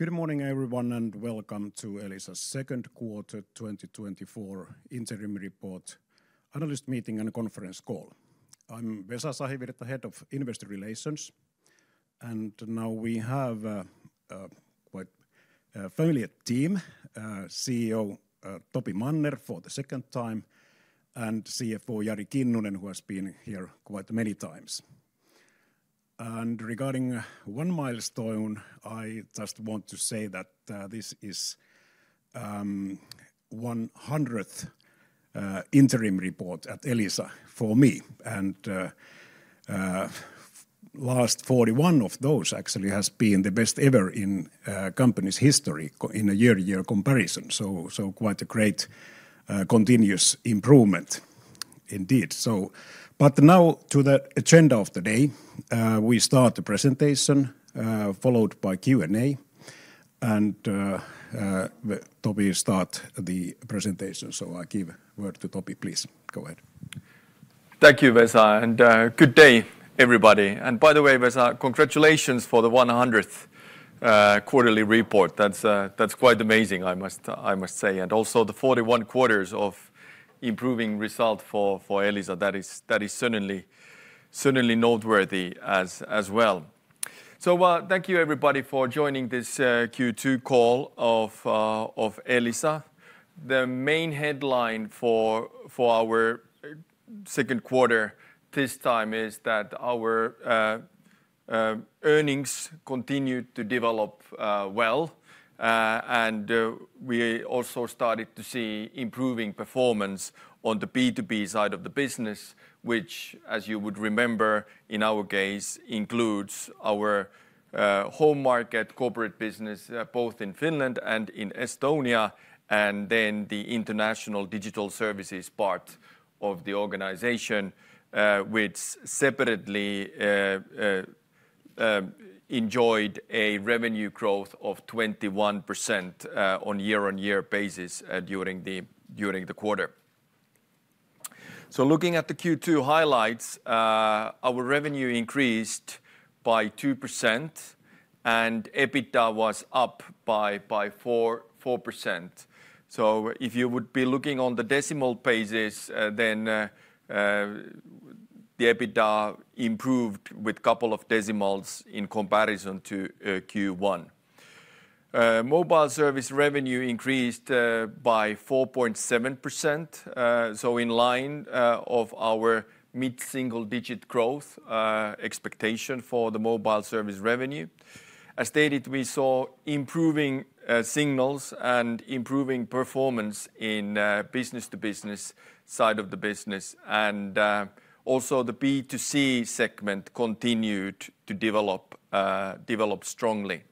Good morning, everyone, and welcome to Elisa's second quarter 2024 interim report, analyst meeting, and conference call. I'm Vesa Sahivirta, Head of Investor Relations, and now we have a quite familiar team, CEO Topi Manner for the second time, and CFO Jari Kinnunen, who has been here quite many times. And regarding one milestone, I just want to say that this is 100th interim report at Elisa for me, and last 41 of those actually has been the best ever in company's history in a year-to-year comparison, so quite a great continuous improvement indeed. But now, to the agenda of the day. We start the presentation followed by Q&A, and Topi start the presentation. So I give word to Topi. Please, go ahead. Thank you, Vesa, and good day, everybody. And by the way, Vesa, congratulations for the 100th quarterly report. That's quite amazing, I must, I must say, and also the 41 quarters of improving result for for Elisa. That is, that is certainly, certainly noteworthy as, as well. So, well, thank you, everybody, for joining this Q2 call of of Elisa. The main headline for for our second quarter this time is that our earnings continued to develop well. And we also started to see improving performance on the B2B side of the business, which, as you would remember, in our case, includes our home market corporate business both in Finland and in Estonia, and then the international digital services part of the organization, which separately enjoyed a revenue growth of 21% on year-on-year basis during the quarter. So looking at the Q2 highlights, our revenue increased by 2%, and EBITDA was up by 4%. So if you would be looking on the decimal basis, then the EBITDA improved with couple of decimals in comparison to Q1. Mobile service revenue increased by 4.7%, so in line of our mid-single digit growth expectation for the mobile service revenue. As stated, we saw improving signals and improving performance in business-to-business side of the business, and also the B2C segment continued to develop strongly.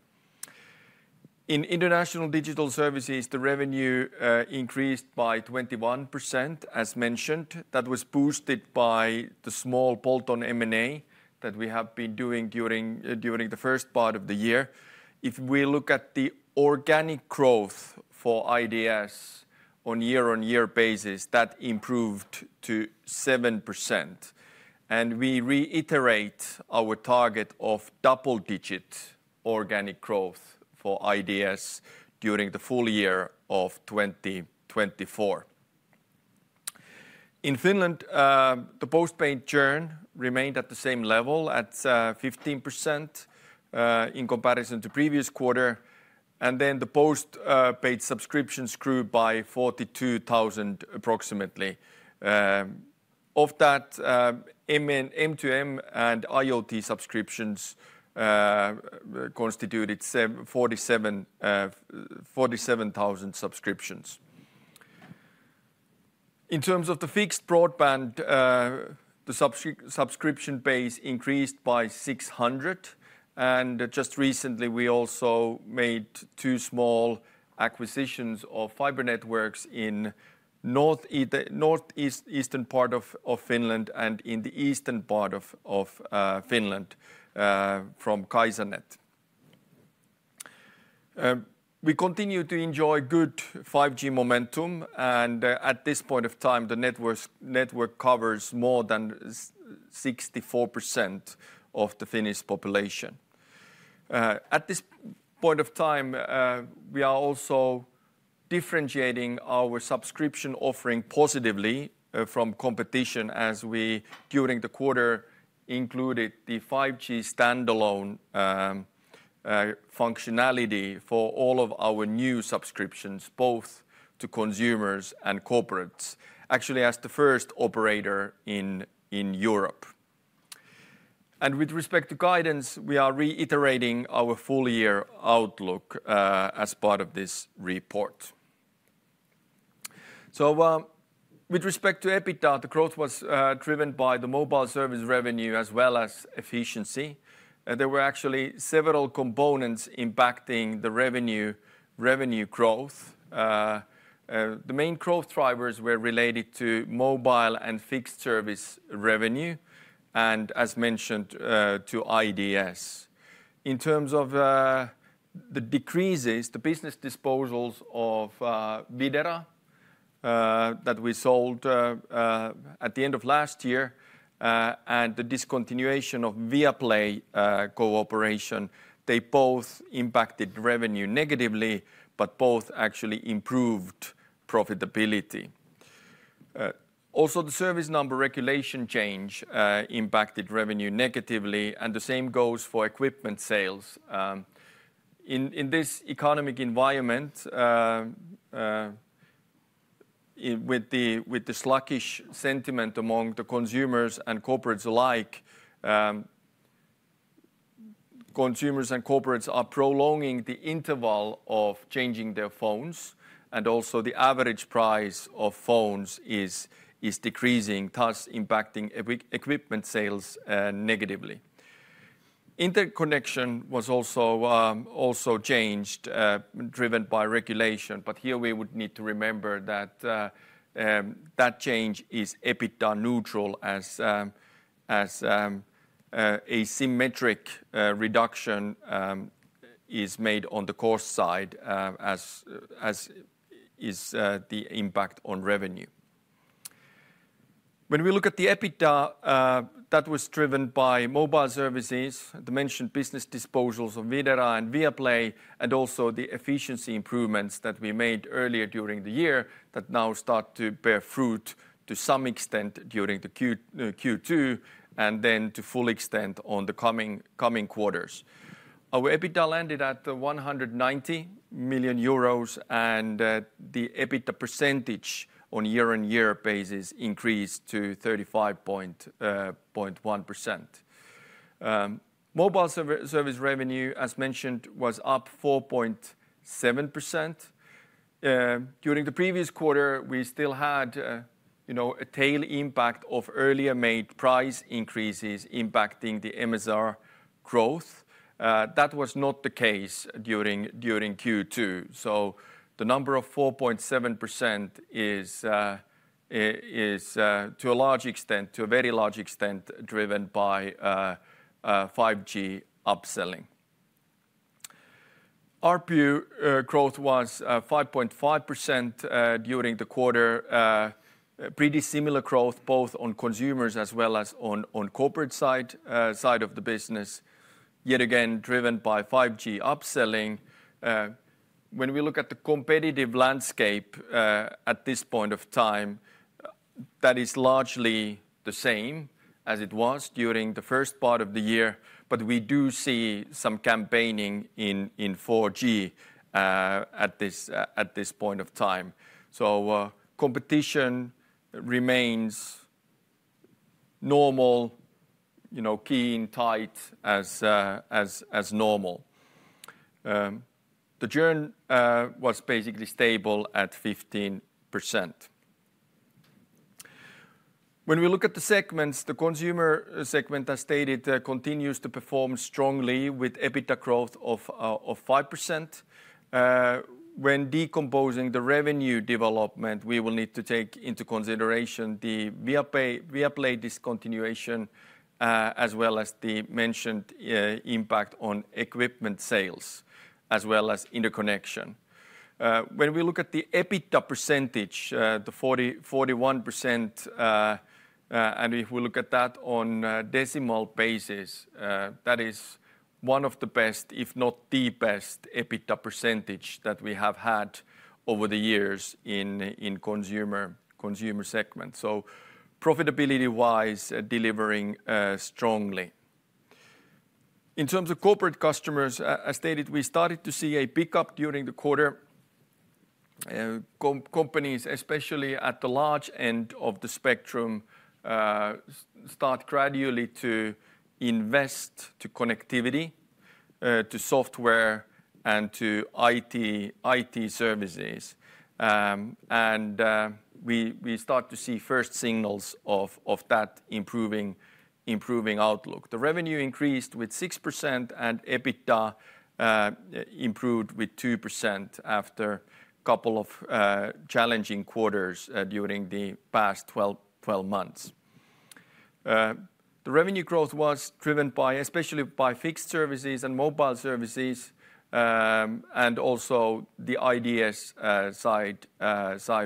In international digital services, the revenue increased by 21%, as mentioned. That was boosted by the small bolt-on M&A that we have been doing during the first part of the year. If we look at the organic growth for IDS on year-on-year basis, that improved to 7%, and we reiterate our target of double-digit organic growth for IDS during the full year of 2024. In Finland, the post-paid churn remained at the same level, at 15% in comparison to previous quarter, and then the post-paid subscriptions grew by 42,000, approximately. Of that, M2M and IoT subscriptions constituted 47,000 subscriptions. In terms of the fixed broadband, the subscription base increased by 600, and just recently, we also made two small acquisitions of fiber networks in northeastern part of Finland and in the eastern part of Finland from Kaisanet. We continue to enjoy good 5G momentum, and at this point of time, the network covers more than 64% of the Finnish population. At this point of time, we are also differentiating our subscription offering positively from competition as we, during the quarter, included the 5G standalone functionality for all of our new subscriptions, both to consumers and corporates, actually, as the first operator in Europe. With respect to guidance, we are reiterating our full-year outlook as part of this report. With respect to EBITDA, the growth was driven by the mobile service revenue as well as efficiency. There were actually several components impacting the revenue, revenue growth. The main growth drivers were related to mobile and fixed service revenue and, as mentioned, to IDS. In terms of the decreases, the business disposals of Videra that we sold at the end of last year and the discontinuation of Viaplay cooperation, they both impacted revenue negatively, but both actually improved profitability. Also the service number regulation change impacted revenue negatively, and the same goes for equipment sales. In this economic environment, with the slackish sentiment among the consumers and corporates alike, consumers and corporates are prolonging the interval of changing their phones, and also the average price of phones is decreasing, thus impacting equipment sales negatively. Interconnection was also changed, driven by regulation. But here we would need to remember that that change is EBITDA neutral as asymmetric reduction is made on the cost side, as is the impact on revenue. When we look at the EBITDA, that was driven by mobile services, the mentioned business disposals of Videra and Viaplay, and also the efficiency improvements that we made earlier during the year, that now start to bear fruit to some extent during the Q2, and then to full extent on the coming quarters. Our EBITDA landed at 190 million euros, and the EBITDA percentage on year-on-year basis increased to 35.1%. Mobile service revenue, as mentioned, was up 4.7%. During the previous quarter, we still had, you know, a tail impact of earlier made price increases impacting the MSR growth. That was not the case during Q2. So the number of 4.7% is to a large extent, to a very large extent, driven by 5G upselling. ARPU growth was 5.5% during the quarter. Pretty similar growth both on consumers as well as on corporate side of the business, yet again, driven by 5G upselling. When we look at the competitive landscape at this point of time, that is largely the same as it was during the first part of the year, but we do see some campaigning in 4G at this point of time. So competition remains normal, you know, keen, tight, as normal. The churn was basically stable at 15%. When we look at the segments, the consumer segment, as stated, continues to perform strongly with EBITDA growth of 5%. When decomposing the revenue development, we will need to take into consideration the Viaplay, Viaplay discontinuation, as well as the mentioned impact on equipment sales, as well as interconnection. When we look at the EBITDA percentage, the 40, 41%, and if we look at that on a decimal basis, that is one of the best, if not the best, EBITDA percentage that we have had over the years in consumer segment. So profitability-wise, delivering strongly. In terms of corporate customers, as stated, we started to see a pickup during the quarter. Companies, especially at the large end of the spectrum, start gradually to invest to connectivity, to software, and to IT, IT services. And, we start to see first signals of that improving outlook. The revenue increased with 6% and EBITDA improved with 2% after a couple of challenging quarters during the past 12 months. The revenue growth was driven by, especially by fixed services and mobile services, and also the IDS side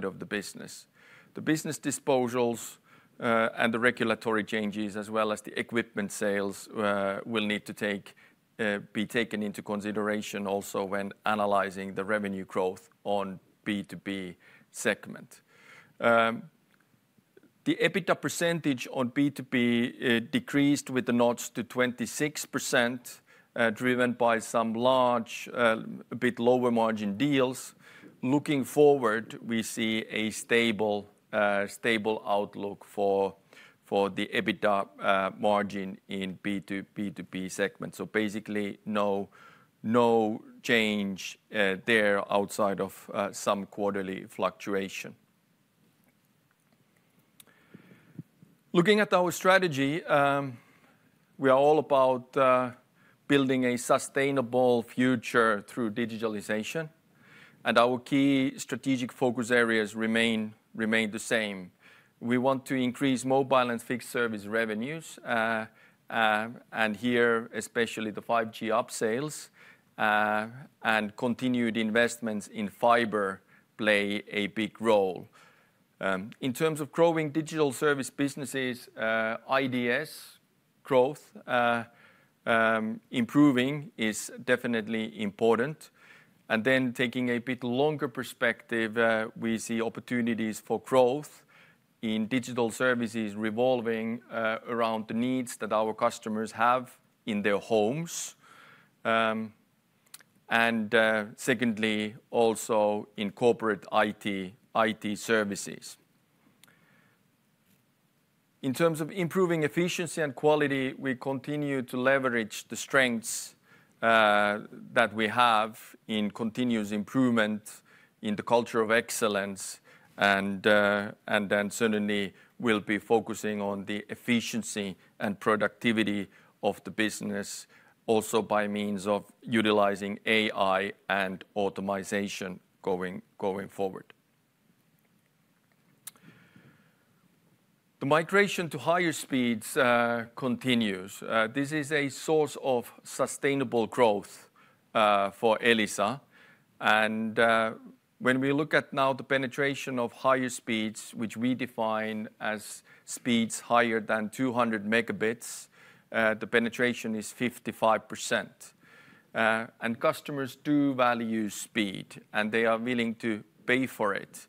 of the business. The business disposals and the regulatory changes, as well as the equipment sales, will need to be taken into consideration also when analyzing the revenue growth on B2B segment. The EBITDA percentage on B2B decreased with the notch to 26%, driven by some large, a bit lower margin deals. Looking forward, we see a stable stable outlook for the EBITDA margin in B2B segment. So basically, no change there outside of some quarterly fluctuation. Looking at our strategy, we are all about building a sustainable future through digitalization, and our key strategic focus areas remain the same. We want to increase mobile and fixed-service revenues, and here, especially the 5G upsales, and continued investments in fiber play a big role. In terms of growing digital service businesses, IDS growth improving is definitely important. Then, taking a bit longer perspective, we see opportunities for growth in digital services revolving around the needs that our customers have in their homes. And, secondly, also in corporate IT, IT services. In terms of improving efficiency and quality, we continue to leverage the strengths that we have in continuous improvement in the culture of excellence, and then certainly we'll be focusing on the efficiency and productivity of the business, also by means of utilizing AI and automization going forward. The migration to higher speeds continues. This is a source of sustainable growth for Elisa. And, when we look at now the penetration of higher speeds, which we define as speeds higher than 200 Mbps, the penetration is 55%. Customers do value speed, and they are willing to pay for it,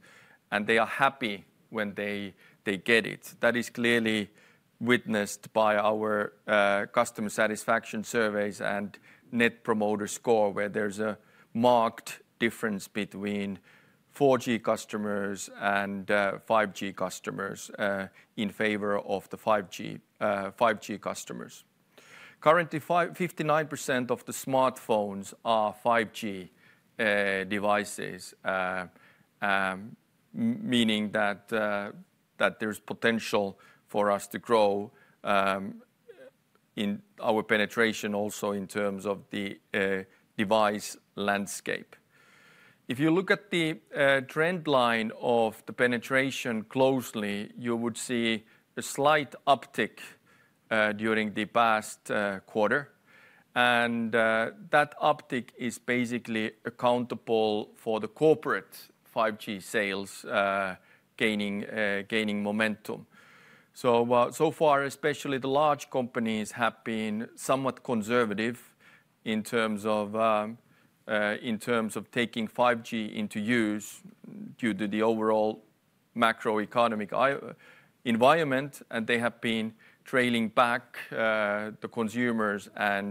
and they are happy when they, they get it. That is clearly witnessed by our customer satisfaction surveys and Net Promoter Score, where there's a marked difference between 4G customers and 5G customers in favor of the 5G 5G customers. Currently, 59% of the smartphones are 5G devices, meaning that that there's potential for us to grow in our penetration also in terms of the device landscape. If you look at the trend line of the penetration closely, you would see a slight uptick during the past quarter. That uptick is basically accountable for the corporate 5G sales gaining gaining momentum. So far, especially the large companies have been somewhat conservative in terms of taking 5G into use due to the overall macroeconomic environment, and they have been trailing back the consumers and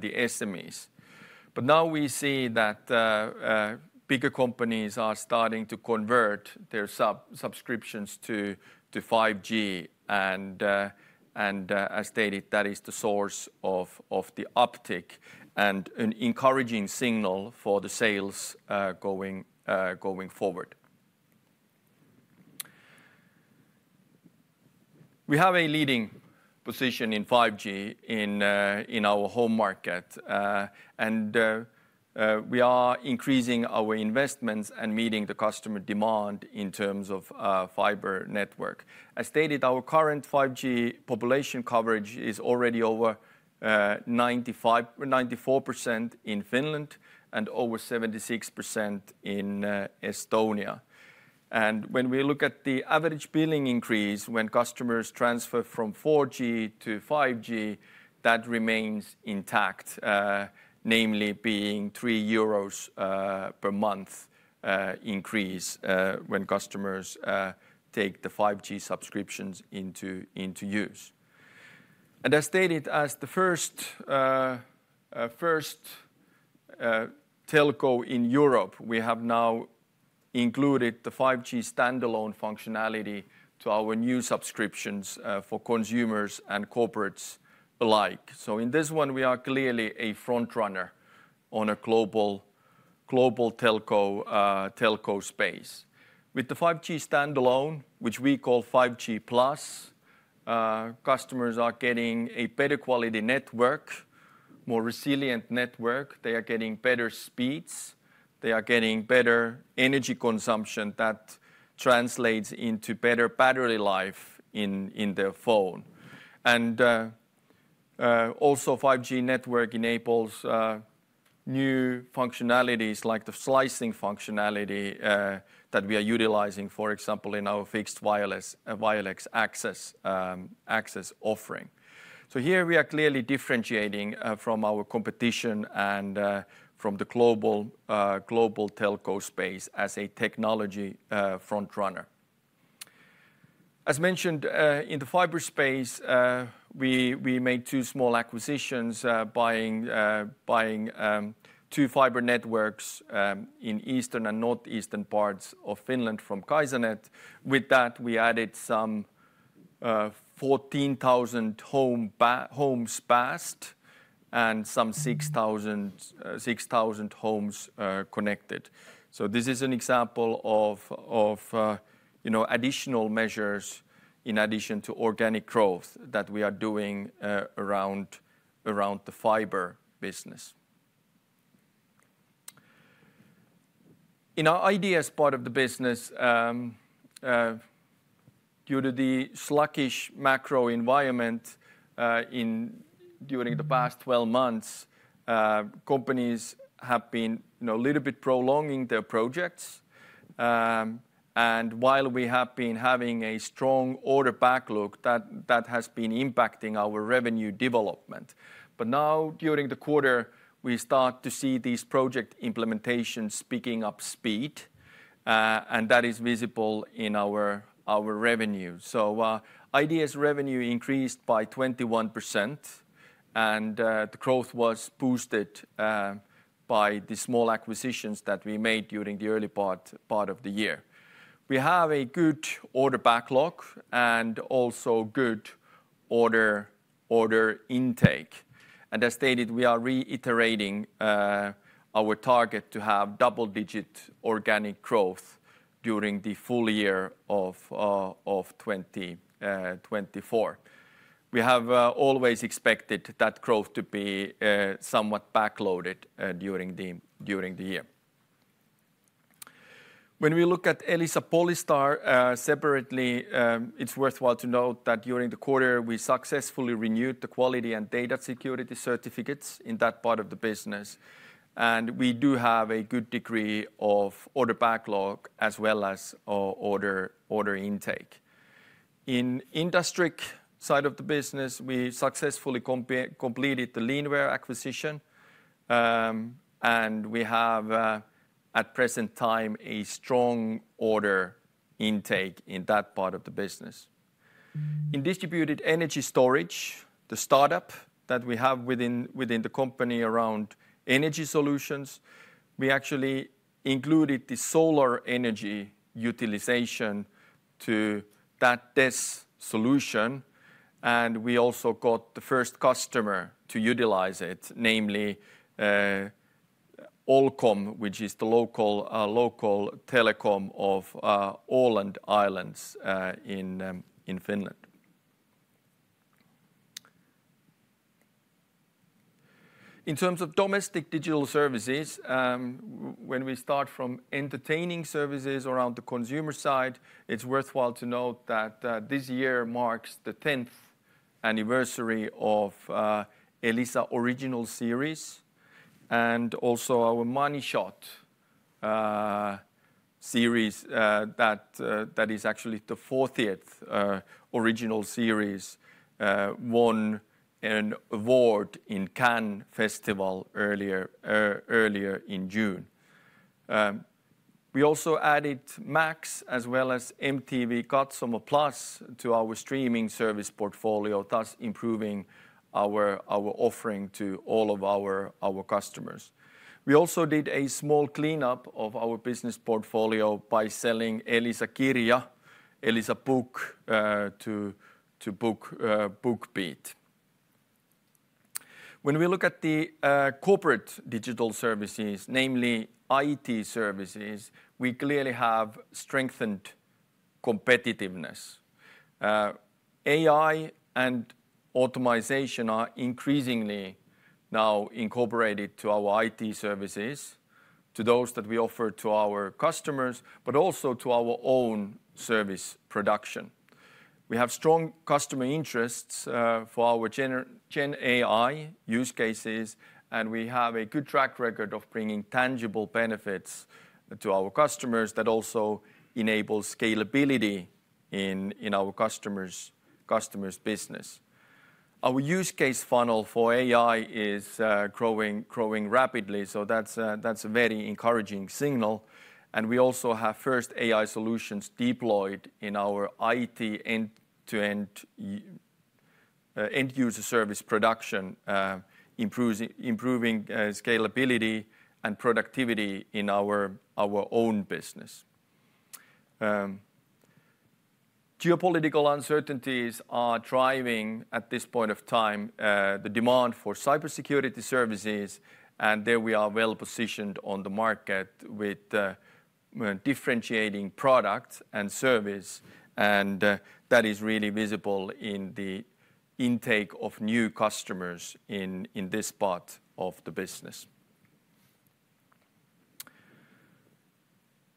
the SMEs. But now we see that bigger companies are starting to convert their subscriptions to 5G, and, as stated, that is the source of the uptick and an encouraging signal for the sales going forward. We have a leading position in 5G in our home market. And we are increasing our investments and meeting the customer demand in terms of fiber network. As stated, our current 5G population coverage is already over 94% in Finland and over 76% in Estonia. When we look at the average billing increase when customers transfer from 4G to 5G, that remains intact, namely being 3 euros per month increase when customers take the 5G subscriptions into use. As stated, as the first telco in Europe, we have now included the 5G standalone functionality to our new subscriptions for consumers and corporates alike. In this one, we are clearly a frontrunner on a global telco space. With the 5G standalone, which we call 5G Plus, customers are getting a better quality network, more resilient network. They are getting better speeds. They are getting better energy consumption that translates into better battery life in their phone. And also, 5G network enables new functionalities, like the slicing functionality, that we are utilizing, for example, in our fixed wireless access offering. So here we are clearly differentiating from our competition and from the global telco space as a technology frontrunner. As mentioned, in the fiber space, we made two small acquisitions, buying two fiber networks in eastern and northeastern parts of Finland from Kaisanet. With that, we added some 14,000 homes passed and some 6,000 homes connected. So this is an example of, you know, additional measures in addition to organic growth that we are doing around the fiber business. In our IDS part of the business,... Due to the sluggish macro environment, in, during the past 12 months, companies have been, you know, a little bit prolonging their projects. And while we have been having a strong order backlog, that, that has been impacting our revenue development. But now, during the quarter, we start to see these project implementations picking up speed, and that is visible in our, our revenue. So, IDS revenue increased by 21%, and, the growth was boosted, by the small acquisitions that we made during the early part, part of the year. We have a good order backlog, and also good order, order intake. And as stated, we are reiterating, our target to have double-digit organic growth during the full year of, of twenty, twenty-four. We have always expected that growth to be somewhat backloaded during the year. When we look at Elisa Polystar separately, it's worthwhile to note that during the quarter, we successfully renewed the quality and data security certificates in that part of the business, and we do have a good degree of order backlog as well as order intake. In Industry side of the business, we successfully completed the Leanware acquisition. We have at present time a strong order intake in that part of the business. In distributed energy storage, the startup that we have within the company around energy solutions, we actually included the solar energy utilization to that DES solution, and we also got the first customer to utilize it, namely, Ålcom, which is the local telecom of Åland Islands, in Finland. In terms of domestic digital services, when we start from entertaining services around the consumer side, it's worthwhile to note that this year marks the tenth anniversary of Elisa Original Series, and also our Money Shot series that is actually the 40th original series won an award in Cannes Festival earlier in June. We also added Max as well as MTV Katsomo+ to our streaming service portfolio, thus improving our offering to all of our customers. We also did a small cleanup of our business portfolio by selling Elisa Kirja, Elisa Book, to BookBeat. When we look at the corporate digital services, namely IT services, we clearly have strengthened competitiveness. AI and automation are increasingly now incorporated to our IT services, to those that we offer to our customers, but also to our own service production. We have strong customer interests for our Gen AI use cases, and we have a good track record of bringing tangible benefits to our customers that also enable scalability in our customer's business. Our use case funnel for AI is growing, growing rapidly, so that's a very encouraging signal, and we also have first AI solutions deployed in our IT end-to-end end-user service production, improving scalability and productivity in our own business. Geopolitical uncertainties are driving, at this point of time, the demand for cybersecurity services, and there we are well-positioned on the market with differentiating product and service, and that is really visible in the intake of new customers in this part of the business.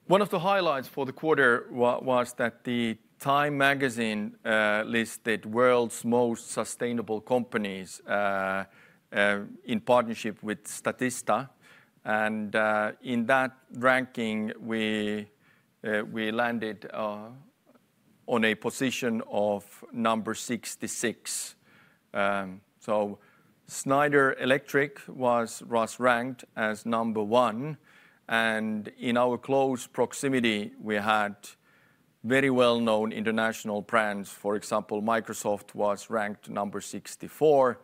One of the highlights for the quarter was that the Time magazine listed world's most sustainable companies in partnership with Statista, and in that ranking, we landed on a position of number 66. So Schneider Electric was ranked as number 1, and in our close proximity, we had very well-known international brands. For example, Microsoft was ranked number 64,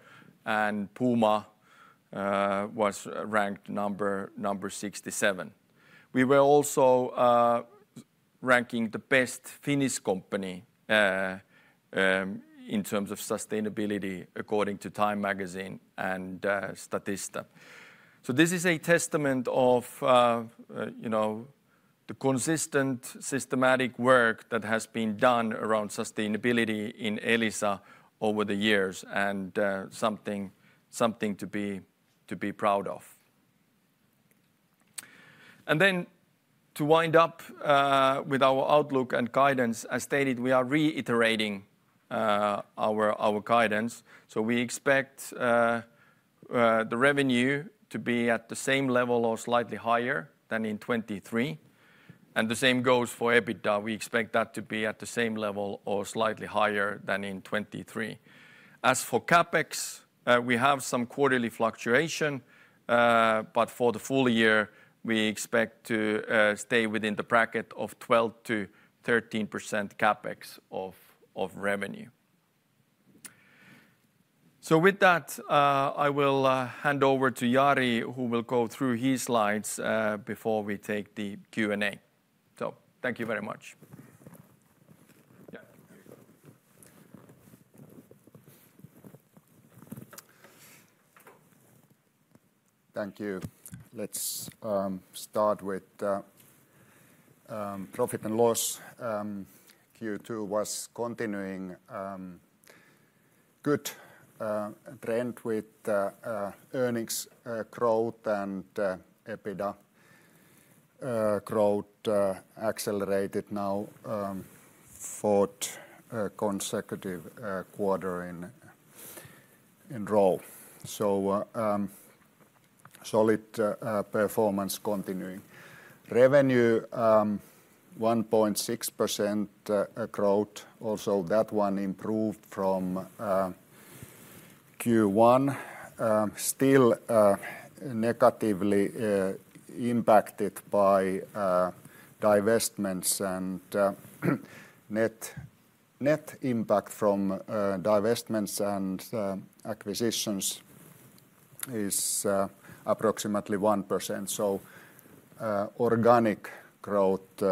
and Puma was ranked number 67. We were also ranking the best Finnish company in terms of sustainability, according to Time Magazine and Statista. So this is a testament of, you know, the consistent, systematic work that has been done around sustainability in Elisa over the years, and something to be proud of. And then to wind up with our outlook and guidance, as stated, we are reiterating our guidance. So we expect the revenue to be at the same level or slightly higher than in 2023, and the same goes for EBITDA. We expect that to be at the same level or slightly higher than in 2023. As for CapEx, we have some quarterly fluctuation, but for the full year, we expect to stay within the bracket of 12%-13% CapEx of revenue. So with that, I will hand over to Jari, who will go through his slides before we take the Q&A. So thank you very much. Yeah. Thank you. Let's start with profit and loss. Q2 was continuing good trend with earnings growth and EBITDA growth accelerated now fourth consecutive quarter in a row. So solid performance continuing. Revenue 1.6% growth, also that one improved from Q1, still negatively impacted by divestments and net impact from divestments and acquisitions is approximately 1%. So organic growth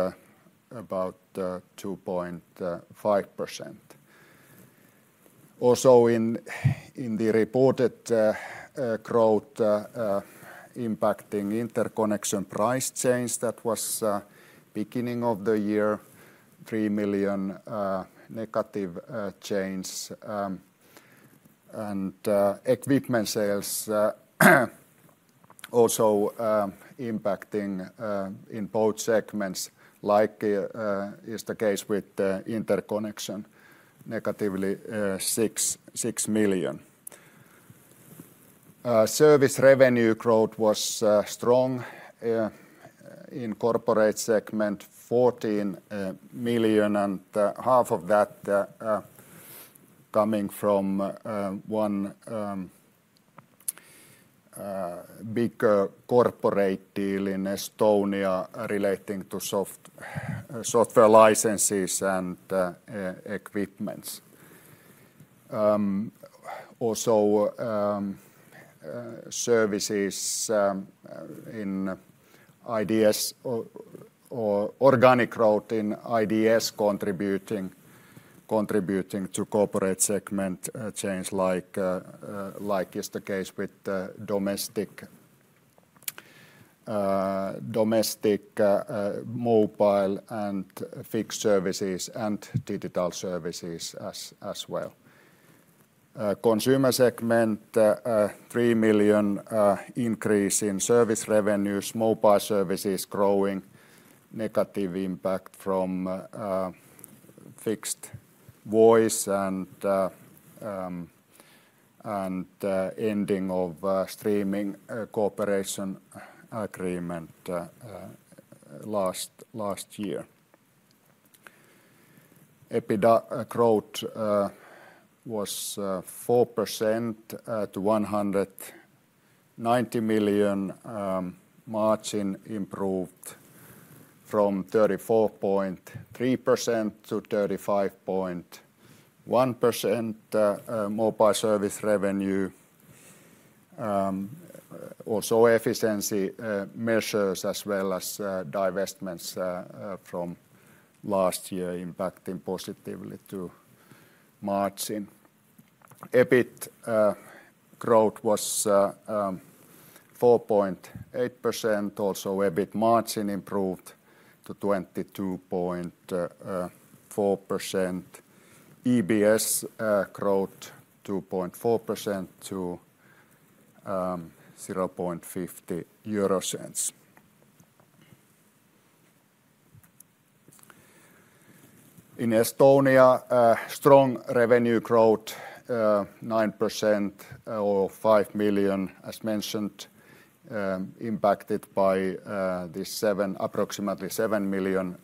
about 2.5%. Also, in the reported growth impacting interconnection price change, that was beginning of the year, 3 million negative change. And equipment sales also impacting in both segments, like is the case with interconnection, negatively 6.6 million. Service revenue growth was strong in corporate segment, 14 million, and half of that coming from one big corporate deal in Estonia relating to software licenses and equipment. Also, services in IDS or organic growth in IDS contributing to corporate segment change like, like is the case with domestic mobile and fixed services and digital services as well. Consumer segment, 3 million increase in service revenues. Mobile service is growing. Negative impact from fixed voice and ending of streaming cooperation agreement last year. EBITDA growth was 4% to 190 million. Margin improved from 34.3% to 35.1% mobile service revenue. Also efficiency measures, as well as divestments from last year impacting positively to margin. EBIT growth was 4.8%. Also, EBIT margin improved to 22.4%. EPS growth, 2.4% to 0.50 EUR. In Estonia, strong revenue growth 9% or 5 million, as mentioned, impacted by the approximately 7 million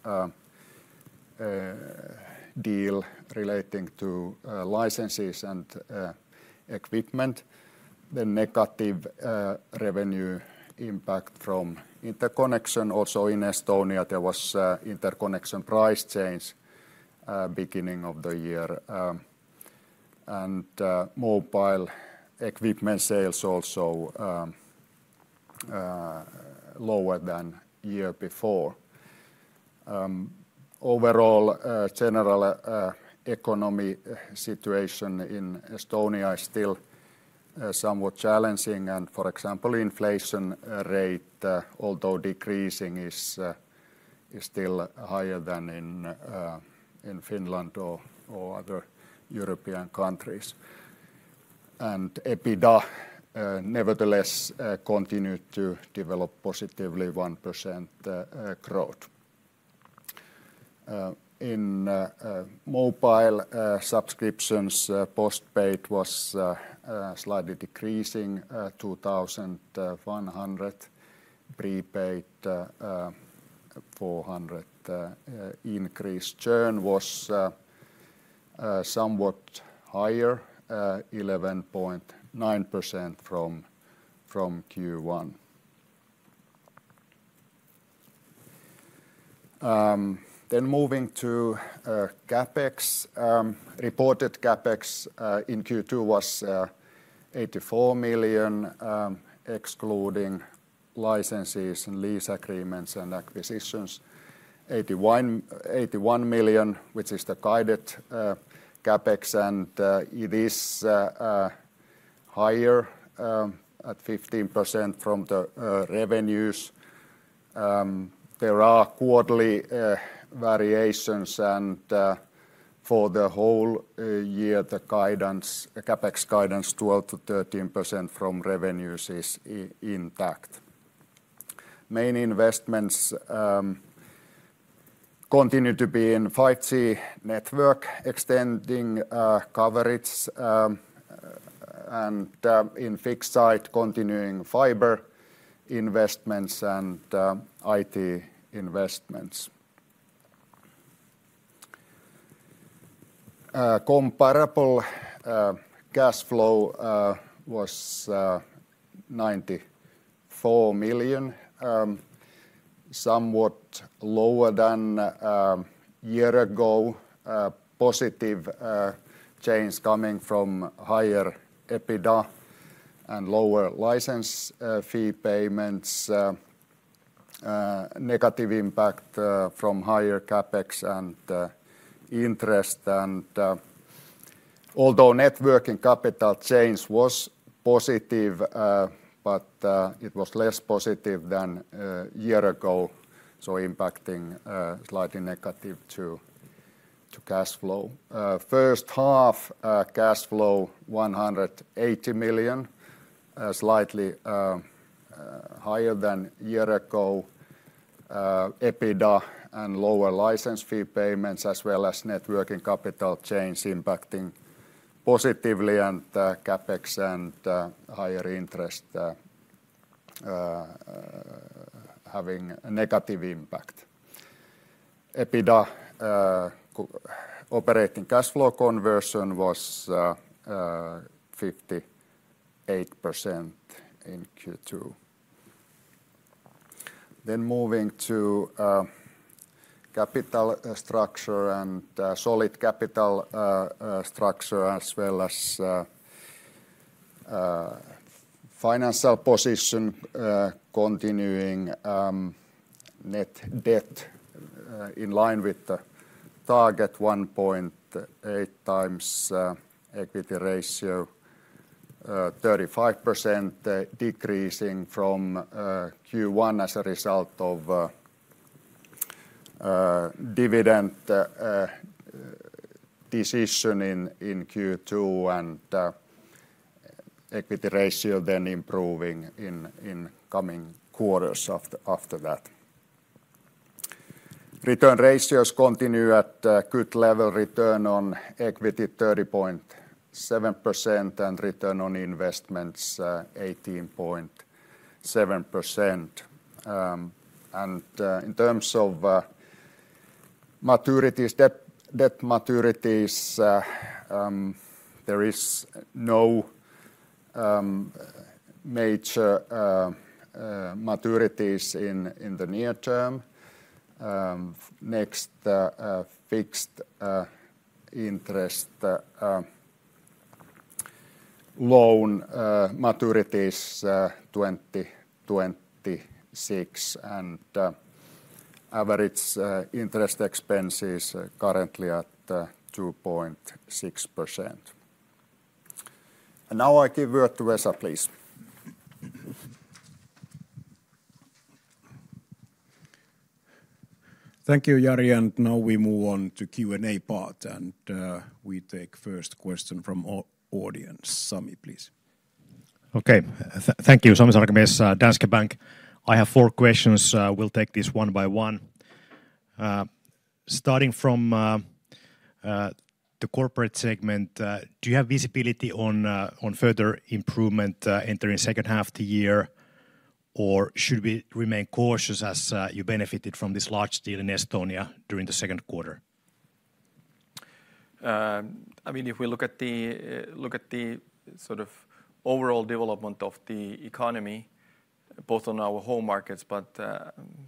deal relating to licenses and equipment. The negative revenue impact from interconnection also in Estonia; there was interconnection price change beginning of the year. And mobile equipment sales also lower than year before. Overall general economy situation in Estonia is still somewhat challenging, and for example, inflation rate although decreasing is still higher than in in Finland or other European countries... and EBITDA nevertheless continued to develop positively, 1% growth. In mobile subscriptions, postpaid was slightly decreasing 2,100. Prepaid 400 increase. Churn was somewhat higher 11.9% from Q1. Then moving to CapEx. Reported CapEx in Q2 was 84 million excluding licenses and lease agreements and acquisitions. 81 million, which is the guided CapEx, and it is higher at 15% from the revenues. There are quarterly variations, and for the whole year, the guidance, CapEx guidance, 12%-13% from revenues is intact. Main investments continue to be in 5G network, extending coverage, and in fixed site, continuing fiber investments and IT investments. Comparable cash flow was 94 million, somewhat lower than year ago. Positive change coming from higher EBITDA and lower license fee payments. Negative impact from higher CapEx and interest. Although net working capital change was positive, but it was less positive than a year ago, so impacting slightly negative to cash flow. First half cash flow 180 million, slightly higher than year ago. EBITDA and lower license fee payments, as well as net working capital change impacting positively, and CapEx and higher interest having a negative impact. EBITDA operating cash flow conversion was 58% in Q2. Then moving to capital structure and solid capital structure, as well as financial position continuing, net debt in line with the target 1.8 times, equity ratio 35%, decreasing from Q1 as a result of dividend decision in Q2, and equity ratio then improving in coming quarters after that. Return ratios continue at good level. Return on equity, 30.7%, and return on investments, 18.7%. In terms of maturities, debt, debt maturities, there is no major maturities in the near term. Next, fixed interest loan maturity is 2026, and average interest expense is currently at 2.6%. And now I give word to Vesa, please. Thank you, Jari, and now we move on to Q&A part, and we take first question from audience. Sami, please. Okay. Thank you, Sami Sarkamies, Danske Bank. I have four questions. We'll take this one by one. Starting from the corporate segment, do you have visibility on further improvement entering second half the year? Or should we remain cautious as you benefited from this large deal in Estonia during the second quarter? I mean, if we look at the sort of overall development of the economy, both on our home markets, but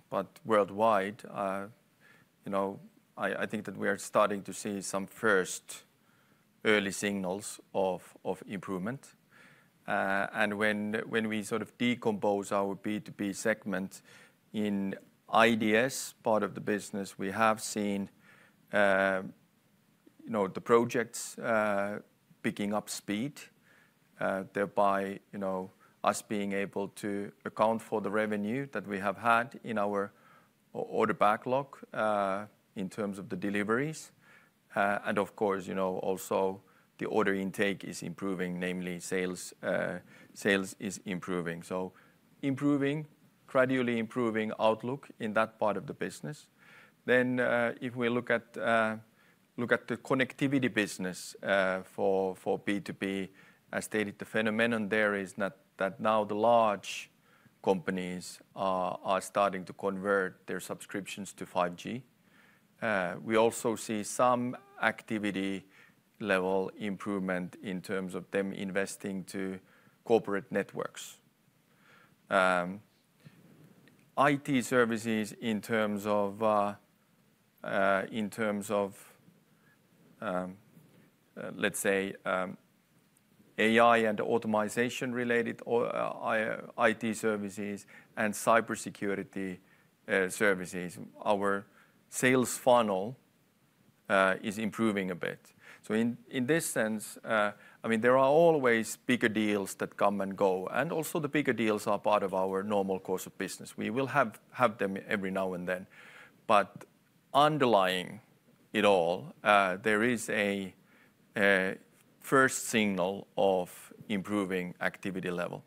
but worldwide, you know, I think that we are starting to see some first early signals of improvement. And when we sort of decompose our B2B segment in IDS part of the business, we have seen, you know, the projects picking up speed, thereby, you know, us being able to account for the revenue that we have had in our Q order backlog, in terms of the deliveries. And of course, you know, also the order intake is improving, namely sales, sales is improving. So improving, gradually improving outlook in that part of the business. Then, if we look at the connectivity business, for B2B, I stated the phenomenon there is not that now the large companies are starting to convert their subscriptions to 5G. We also see some activity level improvement in terms of them investing to corporate networks. IT services in terms of AI and automation-related IT services and cybersecurity services, our sales funnel is improving a bit. So in this sense, I mean, there are always bigger deals that come and go, and also the bigger deals are part of our normal course of business. We will have them every now and then. But underlying it all, there is a first signal of improving activity level.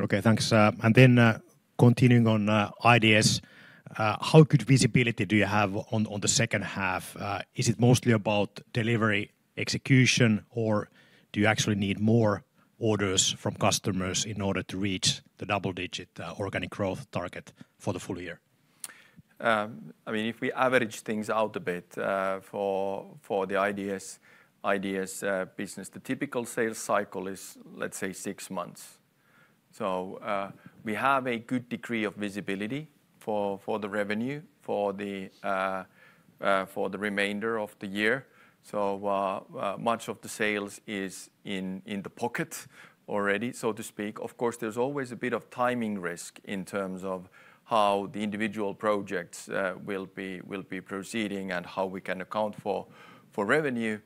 Okay, thanks. And then, continuing on, how good visibility do you have on the second half? Is it mostly about delivery, execution, or do you actually need more orders from customers in order to reach the double-digit organic growth target for the full year? I mean, if we average things out a bit, for the IDS business, the typical sales cycle is, let's say, six months. So, we have a good degree of visibility for the revenue for the remainder of the year. So, much of the sales is in the pocket already, so to speak. Of course, there's always a bit of timing risk in terms of how the individual projects will be proceeding and how we can account for revenue.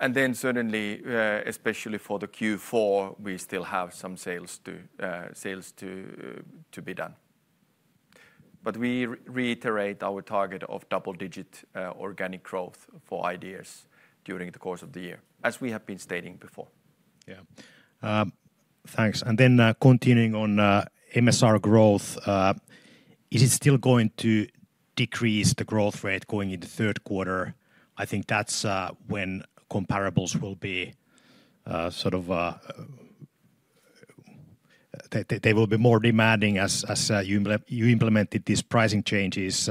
And then certainly, especially for the Q4, we still have some sales to be done. But we reiterate our target of double-digit organic growth for IDS during the course of the year, as we have been stating before. Yeah. Thanks. And then, continuing on, MSR growth—is it still going to decrease the growth rate going into third quarter? I think that's when comparables will be sort of... They will be more demanding as you implemented these pricing changes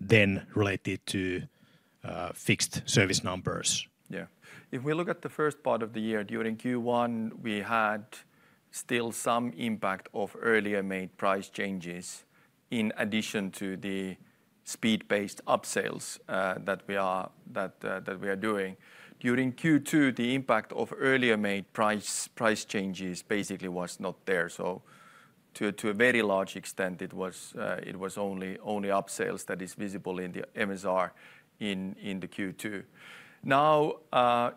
then related to fixed service numbers. Yeah. If we look at the first part of the year, during Q1, we had still some impact of earlier made price changes, in addition to the speed-based upsales that we are doing. During Q2, the impact of earlier made price changes basically was not there. So to a very large extent, it was only upsales that is visible in the MSR in Q2. Now,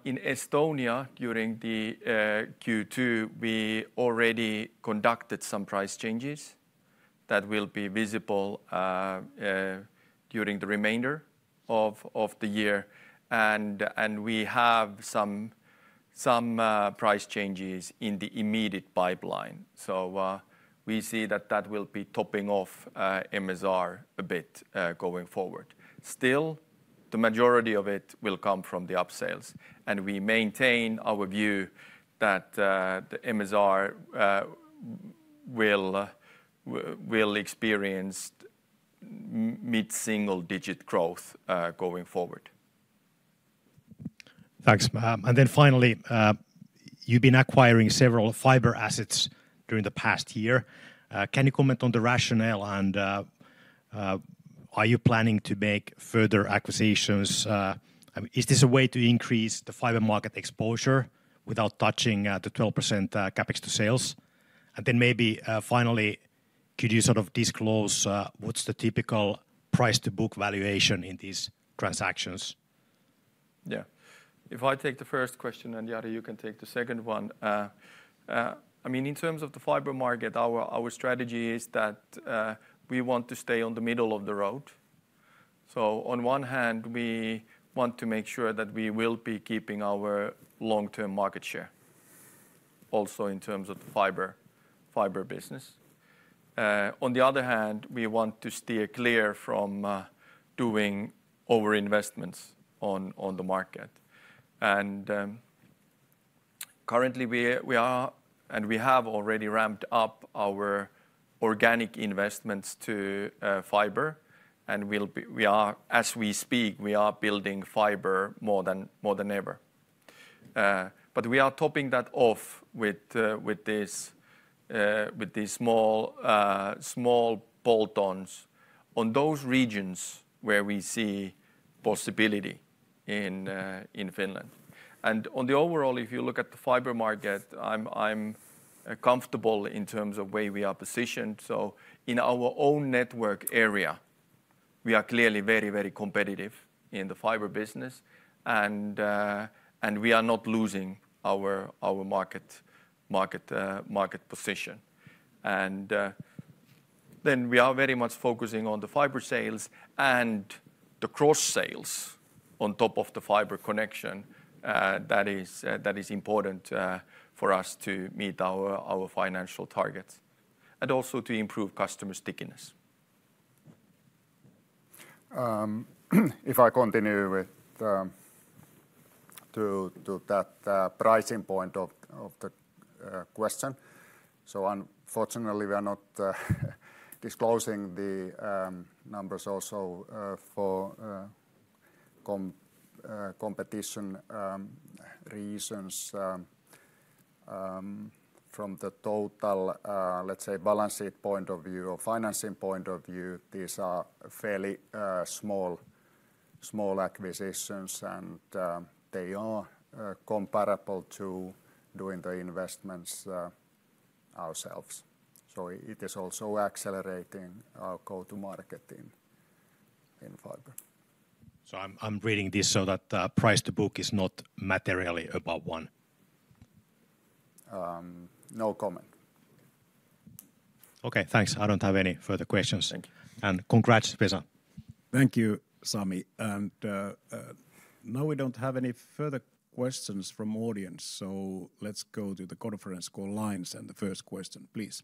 in Estonia, during Q2, we already conducted some price changes that will be visible during the remainder of the year. And we have some price changes in the immediate pipeline. So we see that that will be topping off MSR a bit going forward. Still, the majority of it will come from the upsales, and we maintain our view that the MSR will experience mid-single-digit growth going forward. Thanks. And then finally, you've been acquiring several fiber assets during the past year. Can you comment on the rationale, and, are you planning to make further acquisitions? Is this a way to increase the fiber market exposure without touching, the 12%, CapEx to sales? And then maybe, finally, could you sort of disclose, what's the typical price-to-book valuation in these transactions? Yeah. If I take the first question, and Jari, you can take the second one. I mean, in terms of the fiber market, our strategy is that we want to stay on the middle of the road. So on one hand, we want to make sure that we will be keeping our long-term market share, also in terms of fiber, fiber business. On the other hand, we want to steer clear from doing over investments on the market. And currently, we are, and we have already ramped up our organic investments to fiber, and we are, as we speak, we are building fiber more than ever. But we are topping that off with these small bolt-ons on those regions where we see possibility in Finland. On the overall, if you look at the fiber market, I'm comfortable in terms of where we are positioned. So in our own network area, we are clearly very, very competitive in the fiber business, and we are not losing our market position. Then we are very much focusing on the fiber sales and the cross sales on top of the fiber connection. That is important for us to meet our financial targets and also to improve customer stickiness. If I continue with to that pricing point of the question. So unfortunately, we are not disclosing the numbers also for competition reasons from the total, let's say, balance sheet point of view or financing point of view, these are fairly small acquisitions, and they are comparable to doing the investments ourselves. So it is also accelerating our go-to-market in fiber. I'm reading this so that price-to-book is not materially above one? No comment. Okay, thanks. I don't have any further questions. Thank you. Congrats, Vesa. Thank you, Sami. And now we don't have any further questions from audience, so let's go to the conference call lines and the first question, please.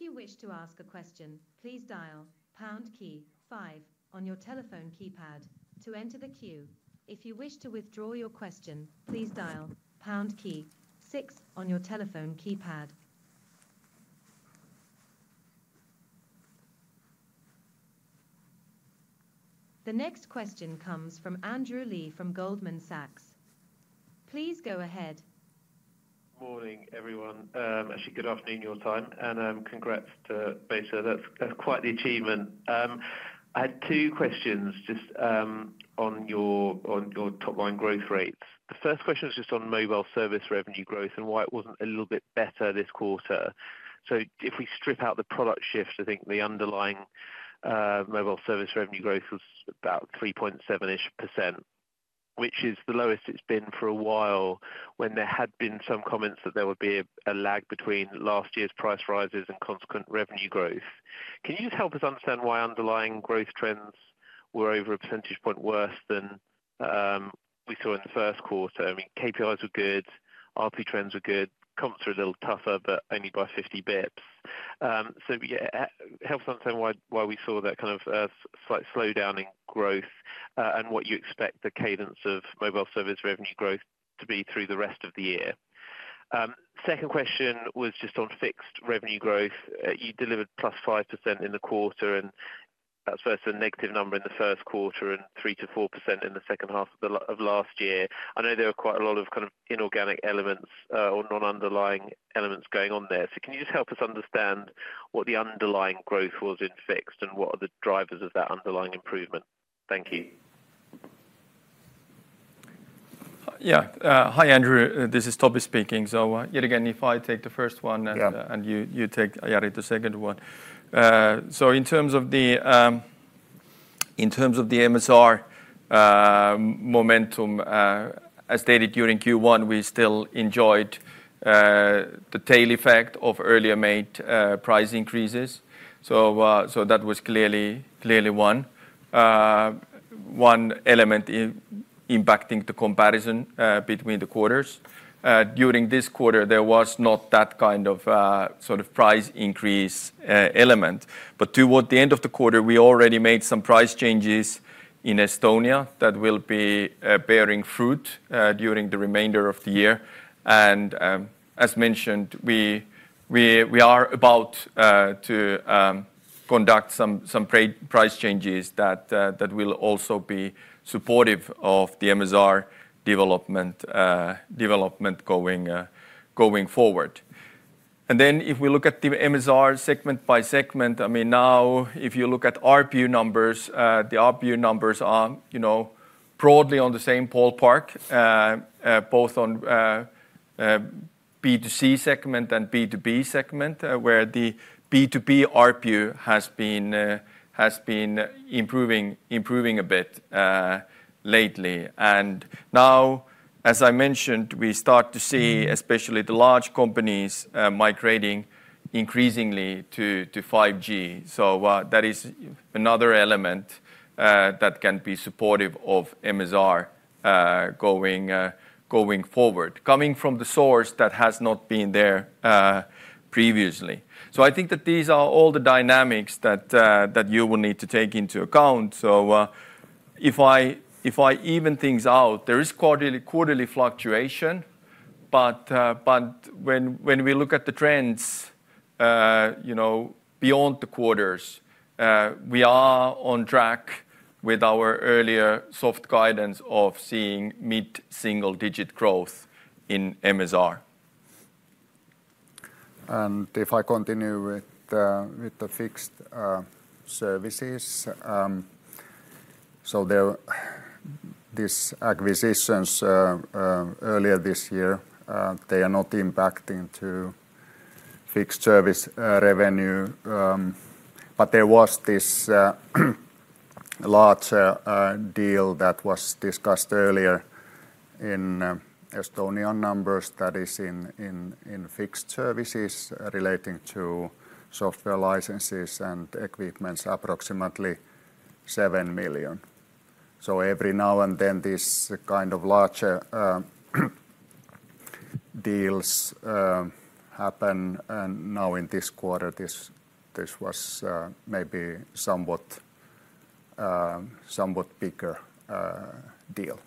If you wish to ask a question, please dial pound key five on your telephone keypad to enter the queue. If you wish to withdraw your question, please dial pound key six on your telephone keypad. The next question comes from Andrew Lee from Goldman Sachs. Please go ahead. Morning, everyone. Actually, good afternoon your time, and, congrats to Vesa. That's, that's quite the achievement. I had two questions just, on your, on your top line growth rates. The first question is just on mobile service revenue growth and why it wasn't a little bit better this quarter. So if we strip out the product shift, I think the underlying, mobile service revenue growth was about 3.7%-ish, which is the lowest it's been for a while, when there had been some comments that there would be a, a lag between last year's price rises and consequent revenue growth. Can you just help us understand why underlying growth trends were over a percentage point worse than, we saw in the first quarter? I mean, KPIs were good, RP trends were good, comps were a little tougher, but only by 50 bits. So yeah, help us understand why we saw that kind of slight slowdown in growth, and what you expect the cadence of mobile service revenue growth to be through the rest of the year. Second question was just on fixed revenue growth. You delivered +5% in the quarter, and that's versus a negative number in the first quarter and 3%-4% in the second half of last year. I know there are quite a lot of kind of inorganic elements or non-underlying elements going on there. So can you just help us understand what the underlying growth was in fixed, and what are the drivers of that underlying improvement? Thank you. Yeah. Hi, Andrew. This is Topi speaking. So, yet again, if I take the first one- Yeah... and you take, Jari, the second one. So in terms of the MSR momentum, as stated during Q1, we still enjoyed the tail effect of earlier made price increases. So that was clearly one element impacting the comparison between the quarters. During this quarter, there was not that kind of sort of price increase element. But toward the end of the quarter, we already made some price changes in Estonia that will be bearing fruit during the remainder of the year. As mentioned, we are about to conduct some price changes that will also be supportive of the MSR development going forward. And then if we look at the MSR segment by segment, I mean, now if you look at ARPU numbers, the ARPU numbers are, you know, broadly on the same ballpark, both on, B2C segment and B2B segment, where the B2B ARPU has been, has been improving, improving a bit, lately. And now, as I mentioned, we start to see especially the large companies, migrating increasingly to, to 5G. So, that is another element, that can be supportive of MSR, going, going forward, coming from the source that has not been there, previously. So I think that these are all the dynamics that, that you will need to take into account. So, if I even things out, there is quarterly fluctuation, but when we look at the trends, you know, beyond the quarters, we are on track with our earlier soft guidance of seeing mid-single-digit growth in MSR. If I continue with the fixed services, so there, these acquisitions earlier this year, they are not impacting to fixed service revenue. But there was this large deal that was discussed earlier in Estonian numbers. That is in fixed services relating to software licenses and equipment, approximately 7 million. So every now and then, these kind of larger deals happen, and now in this quarter, this was maybe somewhat bigger deal.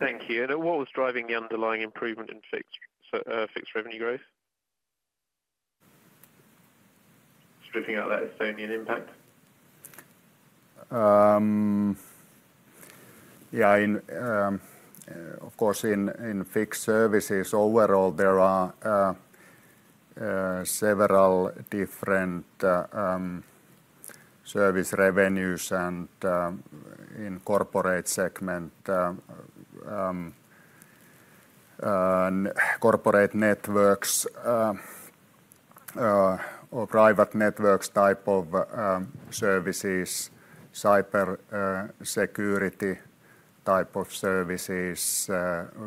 Thank you. What was driving the underlying improvement in fixed, fixed revenue growth? Stripping out that Estonian impact. Yeah, of course, in fixed services overall, there are several different service revenues and in corporate segment, and corporate networks, or private networks type of services, cyber security type of services,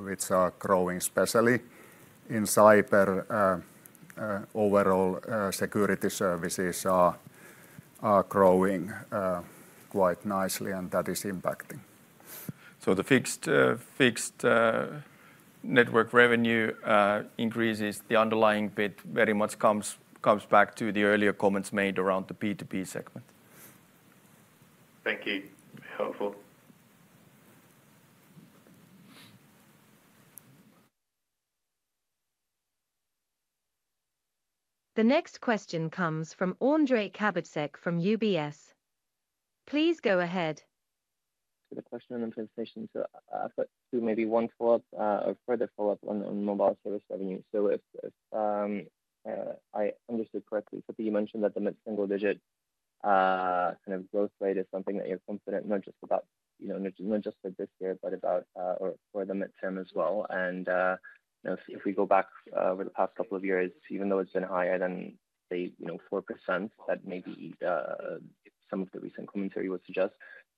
which are growing, especially in cyber overall, security services are growing quite nicely, and that is impacting. So the fixed network revenue increases. The underlying EBIT very much comes back to the earlier comments made around the B2B segment. Thank you. Helpful. The next question comes from Ondrej Cabejsek from UBS. Please go ahead. The question on the presentation. So, but to maybe one follow-up, a further follow-up on mobile service revenue. So if, if I understood correctly, so you mentioned that the mid-single digit kind of growth rate is something that you're confident not just about, you know, not just for this year, but about, or for the midterm as well. And, you know, if, if we go back over the past couple of years, even though it's been higher than the, you know, 4%, that maybe some of the recent commentary would suggest,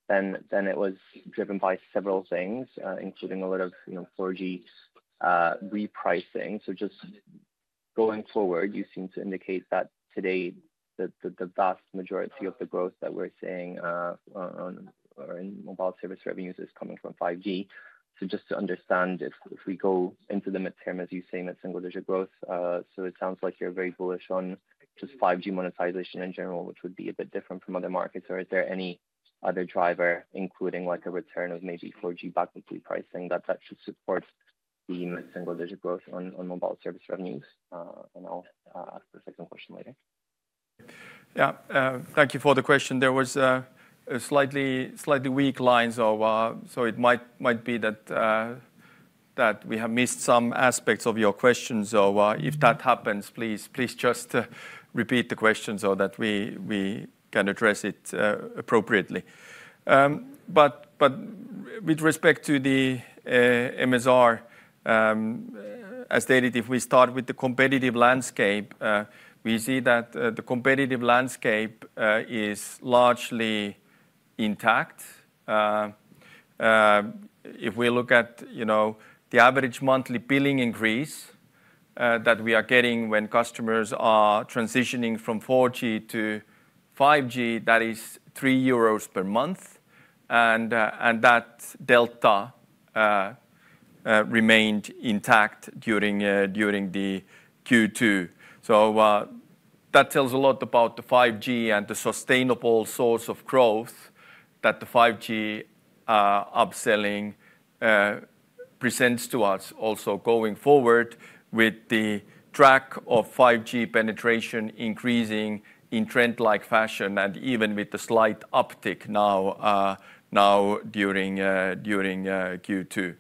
then it was driven by several things, including a lot of, you know, 4G repricing. So just going forward, you seem to indicate that today the vast majority of the growth that we're seeing in mobile service revenues is coming from 5G. So just to understand, if we go into the midterm, as you say, mid-single digit growth, so it sounds like you're very bullish on just 5G monetization in general, which would be a bit different from other markets. Or is there any other driver, including like a return of maybe 4G back with repricing, that should support the mid-single digit growth on mobile service revenues? And I'll ask the second question later. Yeah. Thank you for the question. There was a slightly weak line, so it might be that we have missed some aspects of your question. So, if that happens, please just repeat the question so that we can address it appropriately. But with respect to the MSR, as stated, if we start with the competitive landscape, we see that the competitive landscape is largely intact. If we look at, you know, the average monthly billing increase that we are getting when customers are transitioning from 4G to 5G, that is 3 euros per month, and that delta remained intact during the Q2. So, that tells a lot about the 5G and the sustainable source of growth that the 5G upselling presents to us. Also going forward with the track of 5G penetration increasing in trend-like fashion, and even with the slight uptick now during Q2.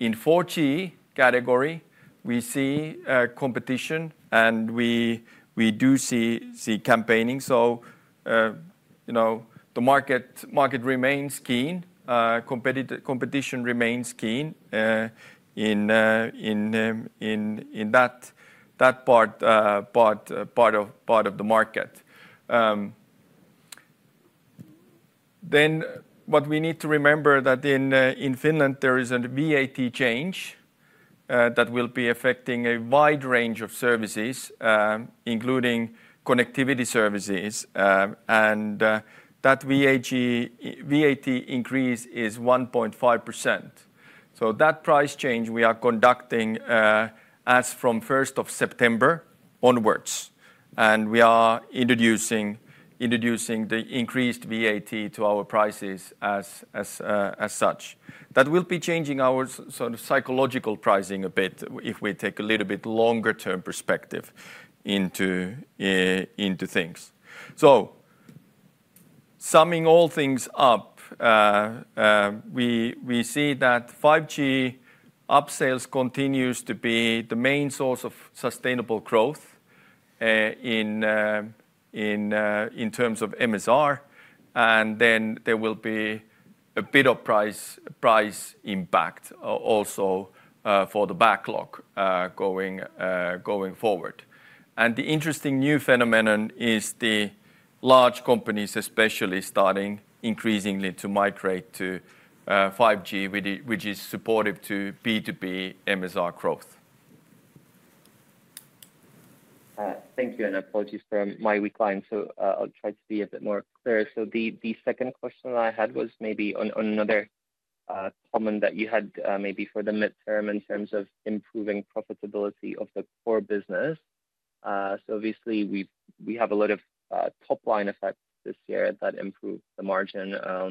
In 4G category, we see competition, and we do see campaigning. So, you know, the market remains keen. Competition remains keen in that part of the market. Then what we need to remember that in Finland, there is a VAT change that will be affecting a wide range of services, including connectivity services, and that VAT increase is 1.5%. So that price change we are conducting, as from 1st of September onwards, and we are introducing the increased VAT to our prices as such. That will be changing our sort of psychological pricing a bit if we take a little bit longer-term perspective into things. So summing all things up, we see that 5G upsales continues to be the main source of sustainable growth in terms of MSR, and then there will be a bit of price impact also for the backlog going forward. And the interesting new phenomenon is the large companies, especially starting increasingly to migrate to 5G, which is supportive to B2B MSR growth. Thank you, and apologies for my weak line. So I'll try to be a bit more clear. So the second question I had was maybe on another comment that you had, maybe for the midterm in terms of improving profitability of the core business. So obviously, we have a lot of top-line effects this year that improved the margin,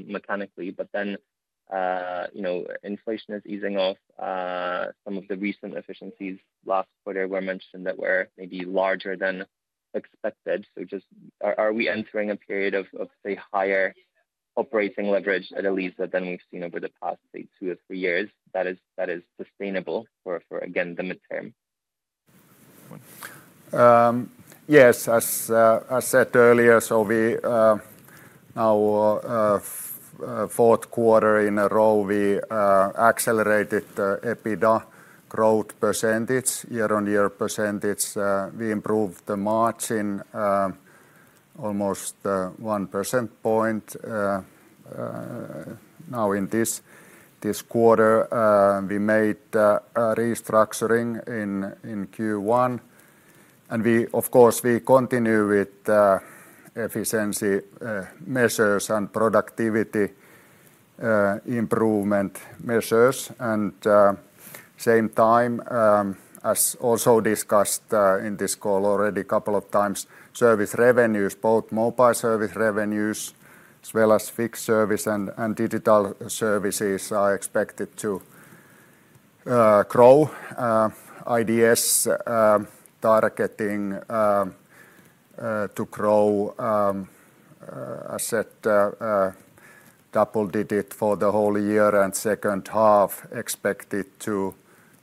mechanically, but then, you know, inflation is easing off. Some of the recent efficiencies last quarter were mentioned that were maybe larger than expected. So just are we entering a period of say, higher operating leverage at Elisa than we've seen over the past, say, two or three years, that is sustainable for, again, the midterm? Yes, as I said earlier, so now, fourth quarter in a row, we accelerated the EBITDA growth percentage, year-on-year percentage. We improved the margin almost one percentage point. Now, in this quarter, we made a restructuring in Q1, and we, of course, continue with the efficiency measures and productivity improvement measures. And same time, as also discussed in this call already a couple of times, service revenues, both mobile service revenues, as well as fixed service and digital services, are expected to grow, IDS targeting to grow double-digit for the whole year, and second half expected to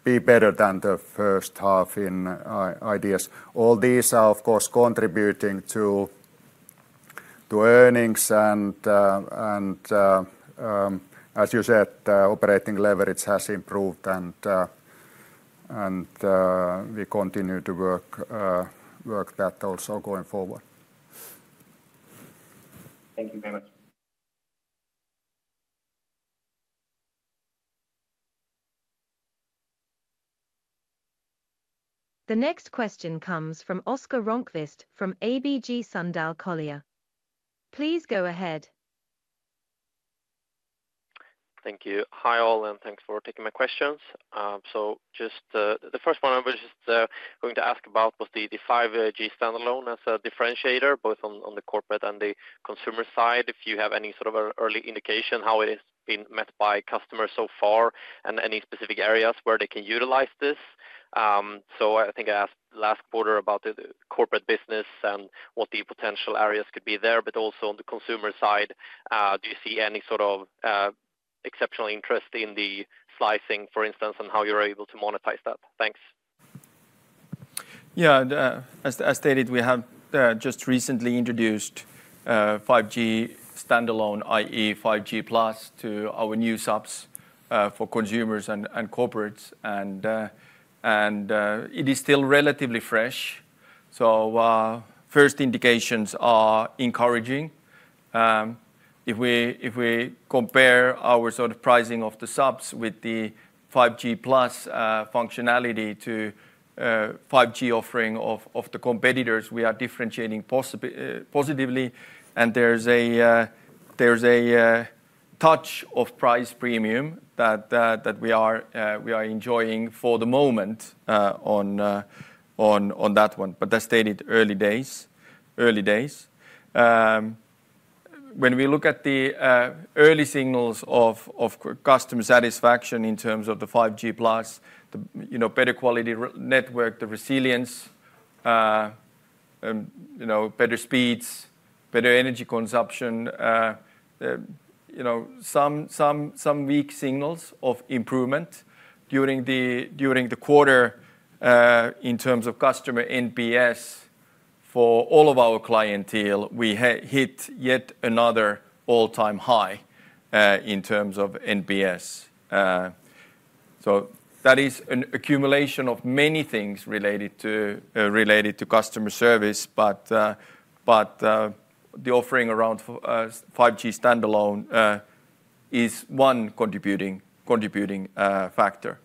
be better than the first half in IDS. All these are, of course, contributing to earnings, and as you said, operating leverage has improved, and we continue to work that also going forward. Thank you very much. The next question comes from Oscar Ronquist from ABG Sundal Collier. Please go ahead. Thank you. Hi, all, and thanks for taking my questions. So just, the first one I was just going to ask about was the 5G Standalone as a differentiator, both on the corporate and the consumer side. If you have any sort of early indication, how it is being met by customers so far, and any specific areas where they can utilize this? So I think I asked last quarter about the corporate business and what the potential areas could be there, but also on the consumer side, do you see any sort of exceptional interest in the slicing, for instance, and how you're able to monetize that? Thanks. Yeah, the, as, as stated, we have just recently introduced 5G Standalone, i.e., 5G Plus to our new subs for consumers and corporates. And it is still relatively fresh, so first indications are encouraging. If we compare our sort of pricing of the subs with the 5G Plus functionality to 5G offering of the competitors, we are differentiating positively, and there's a touch of price premium that we are enjoying for the moment, on that one. But as stated, early days, early days. When we look at the early signals of customer satisfaction in terms of the 5G Plus, the, you know, better quality network, the resilience, you know, better speeds, better energy consumption, you know, some weak signals of improvement during the quarter in terms of customer NPS for all of our clientele, we hit yet another all-time high in terms of NPS. So that is an accumulation of many things related to customer service, but the offering around 5G Standalone is one contributing factor.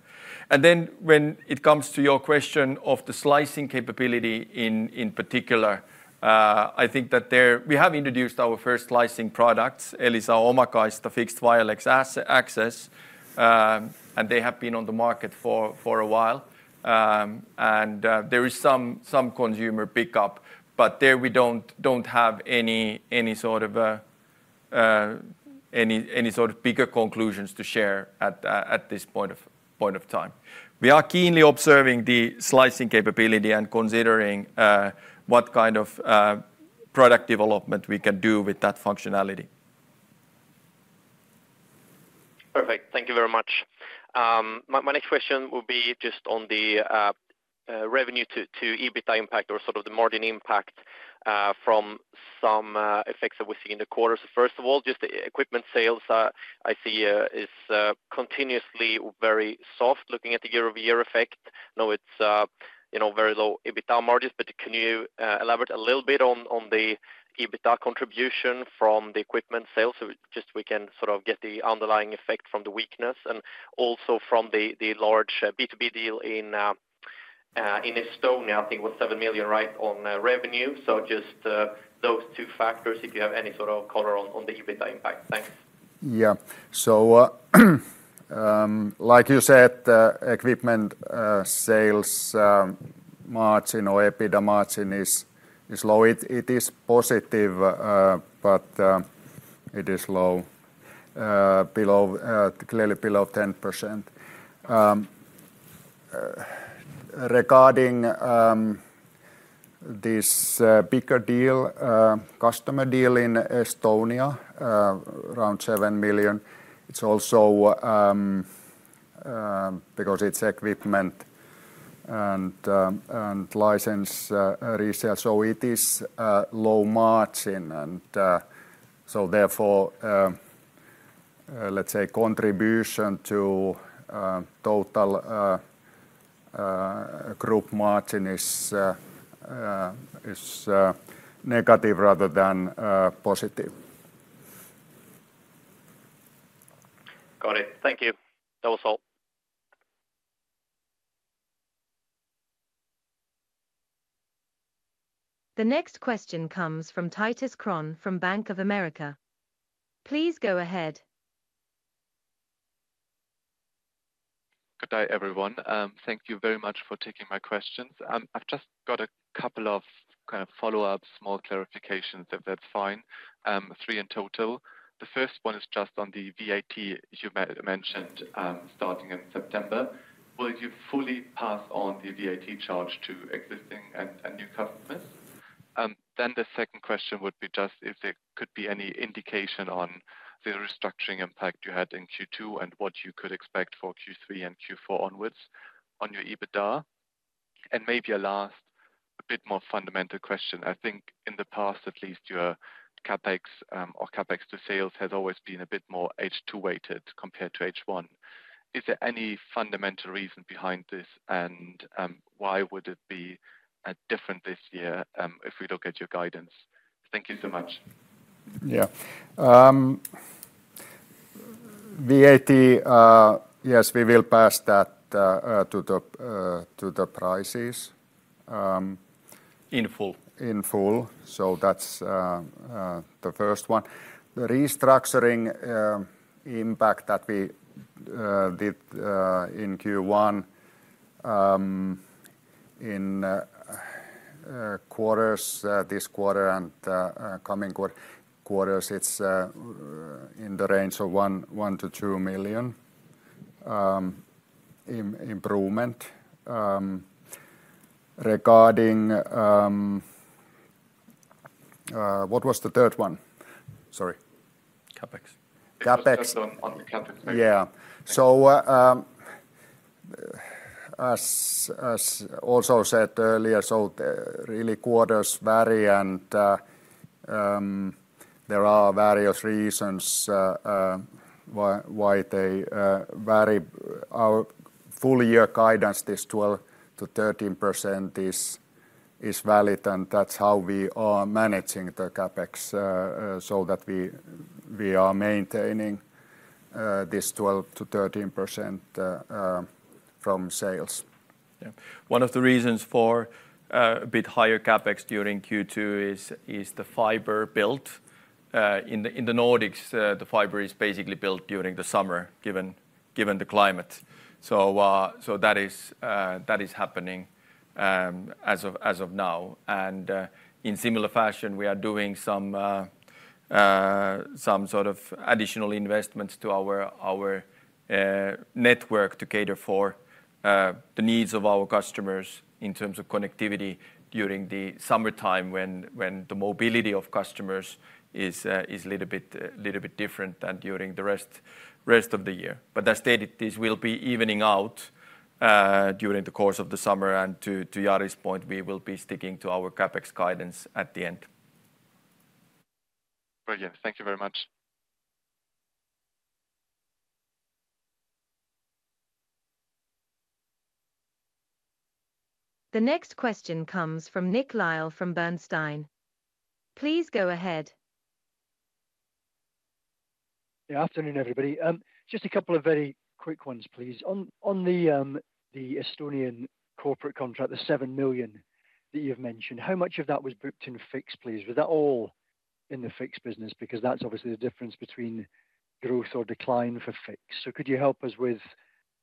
And then when it comes to your question of the slicing capability in particular, I think that there... We have introduced our first slicing products, Elisa Omakaista fixed wireless access, and they have been on the market for a while. And there is some consumer pickup, but we don't have any sort of bigger conclusions to share at this point of time. We are keenly observing the slicing capability and considering what kind of product development we can do with that functionality.... Perfect. Thank you very much. My next question will be just on the revenue to EBITDA impact or sort of the margin impact from some effects that we've seen in the quarter. So first of all, just the equipment sales, I see is continuously very soft looking at the year-over-year effect. I know it's, you know, very low EBITDA margins, but can you elaborate a little bit on the EBITDA contribution from the equipment sales, so just we can sort of get the underlying effect from the weakness, and also from the large B2B deal in Estonia, I think it was 7 million, right, on revenue? So just those two factors, if you have any sort of color on the EBITDA impact. Thanks. Yeah. So, like you said, the equipment sales margin or EBITDA margin is low. It is positive, but it is low, clearly below 10%. Regarding this bigger customer deal in Estonia, around 7 million, it's also... Because it's equipment and license resale, so it is low margin. And so therefore, let's say contribution to total group margin is negative rather than positive. Got it. Thank you. That was all. The next question comes from Titus Krahn from Bank of America. Please go ahead. Good day, everyone. Thank you very much for taking my questions. I've just got a couple of kind of follow-up, small clarifications, if that's fine. Three in total. The first one is just on the VAT you mentioned, starting in September. Will you fully pass on the VAT charge to existing and new customers? Then the second question would be just if there could be any indication on the restructuring impact you had in Q2, and what you could expect for Q3 and Q4 onwards on your EBITDA. And maybe a last, a bit more fundamental question. I think in the past, at least, your CapEx, or CapEx to sales has always been a bit more H2-weighted compared to H1. Is there any fundamental reason behind this? Why would it be different this year if we look at your guidance? Thank you so much. Yeah. VAT, yes, we will pass that to the prices. In full. In full. So that's the first one. The restructuring impact that we did in Q1 in quarters this quarter and coming quarters, it's in the range of 1 million-2 million improvement. Regarding what was the third one? Sorry. CapEx. CapEx. On the CapEx, yeah. Yeah. So, as also said earlier, so the real quarters vary and there are various reasons why they vary. Our full year guidance, this 12%-13% is valid, and that's how we are managing the CapEx so that we are maintaining this 12%-13% from sales. Yeah. One of the reasons for a bit higher CapEx during Q2 is the fiber built. In the Nordics, the fiber is basically built during the summer, given the climate. So, that is happening as of now. And, in similar fashion, we are doing some sort of additional investments to our network to cater for the needs of our customers in terms of connectivity during the summertime, when the mobility of customers is a little bit different than during the rest of the year. But as stated, this will be evening out during the course of the summer, and to Jari's point, we will be sticking to our CapEx guidance at the end. Brilliant. Thank you very much. The next question comes from Nick Lyall from Bernstein. Please go ahead. Yeah, afternoon, everybody. Just a couple of very quick ones, please. On, on the, the Estonian corporate contract, the 7 million that you've mentioned, how much of that was booked in fixed, please? Was that all in the fixed business? Because that's obviously the difference between growth or decline for fixed. So could you help us with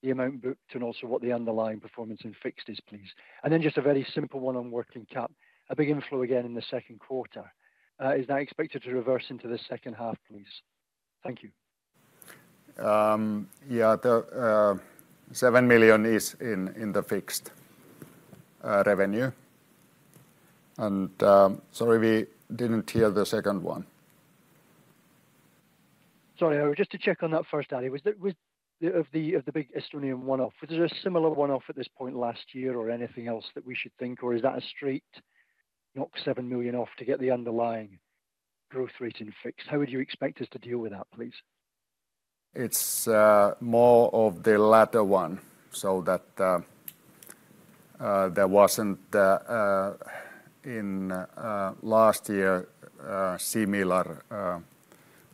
the amount booked and also what the underlying performance in fixed is, please? And then just a very simple one on working cap. A big inflow again in the second quarter, is now expected to reverse into the second half, please. Thank you. Yeah, the 7 million is in the fixed revenue. Sorry, we didn't hear the second one. Sorry, just to check on that first, Ari. Of the big Estonian one-off, was there a similar one-off at this point last year or anything else that we should think? Or is that a straight knock 7 million off to get the underlying growth rate in fixed? How would you expect us to deal with that, please? It's more of the latter one, so that there wasn't in last year similar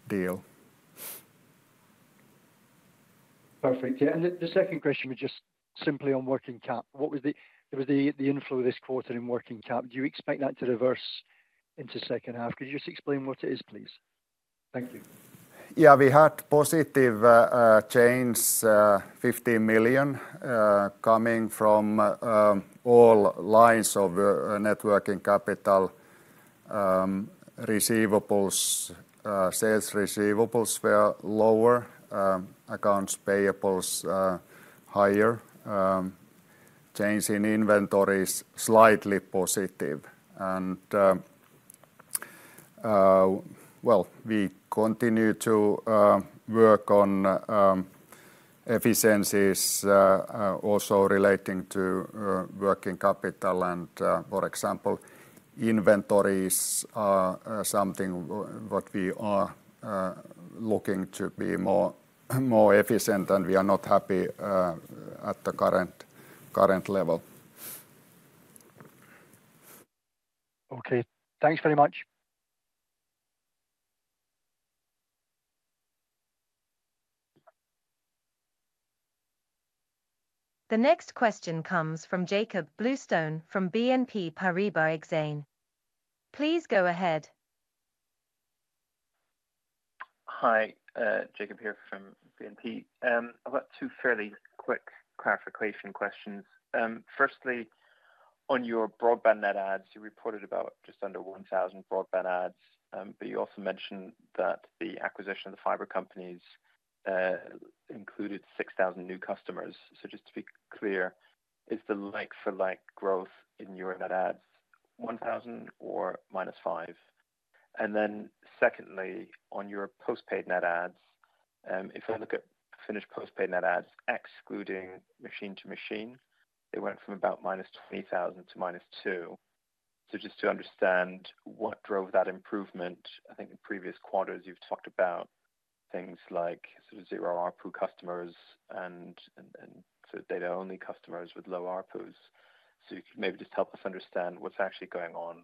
deal. Perfect. Yeah, and the second question was just simply on working cap. What was the inflow this quarter in working cap? Do you expect that to reverse into second half? Could you just explain what it is, please? Thank you. Yeah, we had positive change, 15 million coming from all lines of working capital, receivables. Sales receivables were lower, accounts payables higher. Change in inventory is slightly positive. Well, we continue to work on efficiencies also relating to working capital and, for example, inventories are something what we are looking to be more efficient, and we are not happy at the current level. Okay. Thanks very much. The next question comes from Jacob Bluestone from BNP Paribas Exane. Please go ahead. Hi, Jacob here from BNP. I've got two fairly quick clarification questions. Firstly, on your broadband net adds, you reported about just under 1,000 broadband adds, but you also mentioned that the acquisition of the fiber companies included 6,000 new customers. So just to be clear, is the like for like growth in your net adds 1,000 or minus five? And then secondly, on your post-paid net adds, if I look at Finnish post-paid net adds, excluding machine-to-machine, it went from about minus 20,000 to minus two. So just to understand, what drove that improvement? I think in previous quarters, you've talked about things like sort of zero ARPU customers and so data-only customers with low ARPUs. So if you could maybe just help us understand what's actually going on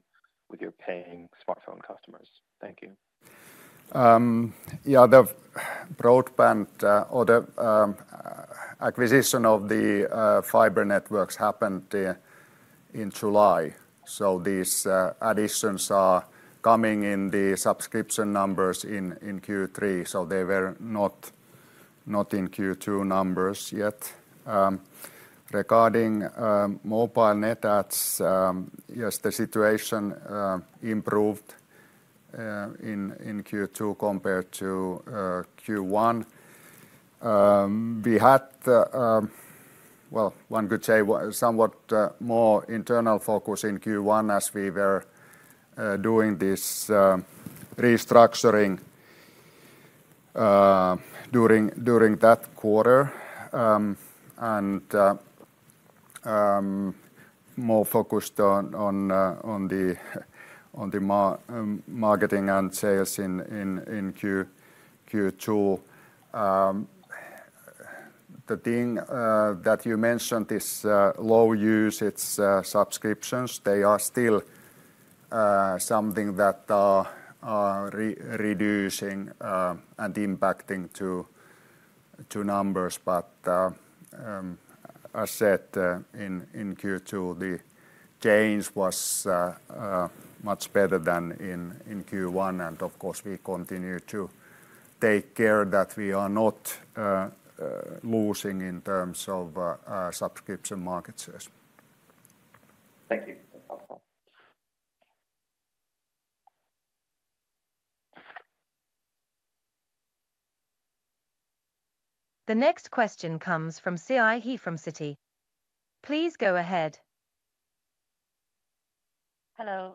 with your paying smartphone customers. Thank you. Yeah, the broadband, or the acquisition of the fiber networks happened in July. So these additions are coming in the subscription numbers in Q3, so they were not in Q2 numbers yet. Regarding mobile net adds, yes, the situation improved in Q2 compared to Q1. We had, well, one could say, somewhat more internal focus in Q1 as we were doing this restructuring during that quarter. And more focused on the marketing and sales in Q2. The thing that you mentioned, this low-usage subscriptions, they are still something that are reducing and impacting to numbers. But, as said, in Q2, the change was much better than in Q1, and of course, we continue to take care that we are not losing in terms of subscription market shares. Thank you. That's helpful. The next question comes from Siyi He from Citi. Please go ahead. Hello,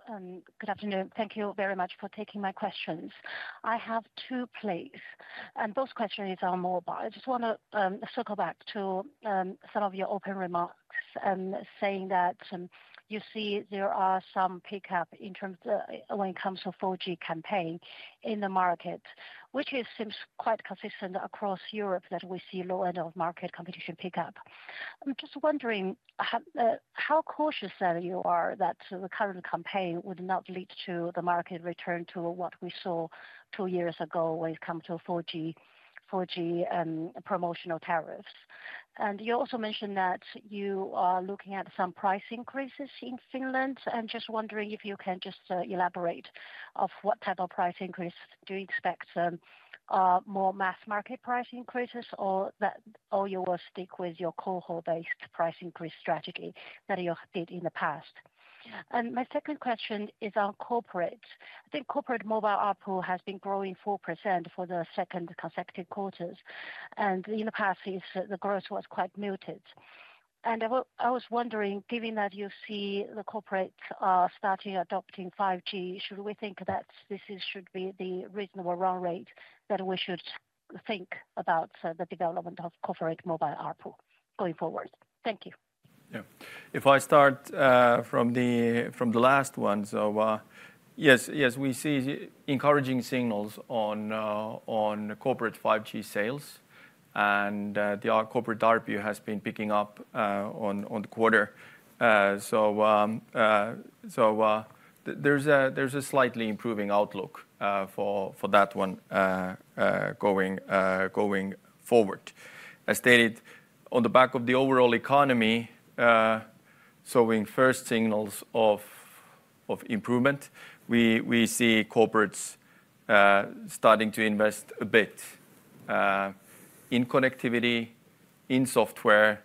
good afternoon. Thank you very much for taking my questions. I have two, please, and both questions are mobile. I just wanna circle back to some of your opening remarks, saying that you see there are some pickup in terms of when it comes to 4G campaign in the market, which it seems quite consistent across Europe, that we see low end of market competition pick up. I'm just wondering, how how cautious are you are that the current campaign would not lead to the market return to what we saw two years ago when it come to 4G, 4G promotional tariffs? And you also mentioned that you are looking at some price increases in Finland. I'm just wondering if you can just elaborate of what type of price increase do you expect, more mass market price increases or that, or you will stick with your cohort-based price increase strategy that you did in the past? And my second question is on corporate. I think corporate mobile ARPU has been growing 4% for the second consecutive quarters, and in the past years, the growth was quite muted. And I was wondering, given that you see the corporates are starting adopting 5G, should we think that this is should be the reasonable run rate that we should think about, the development of corporate mobile ARPU going forward? Thank you. Yeah. If I start from the last one. So yes, yes, we see encouraging signals on corporate 5G sales, and our corporate ARPU has been picking up on the quarter. So so there's a there's a slightly improving outlook for that one going forward. I stated on the back of the overall economy showing first signals of improvement. We see corporates starting to invest a bit in connectivity, in software,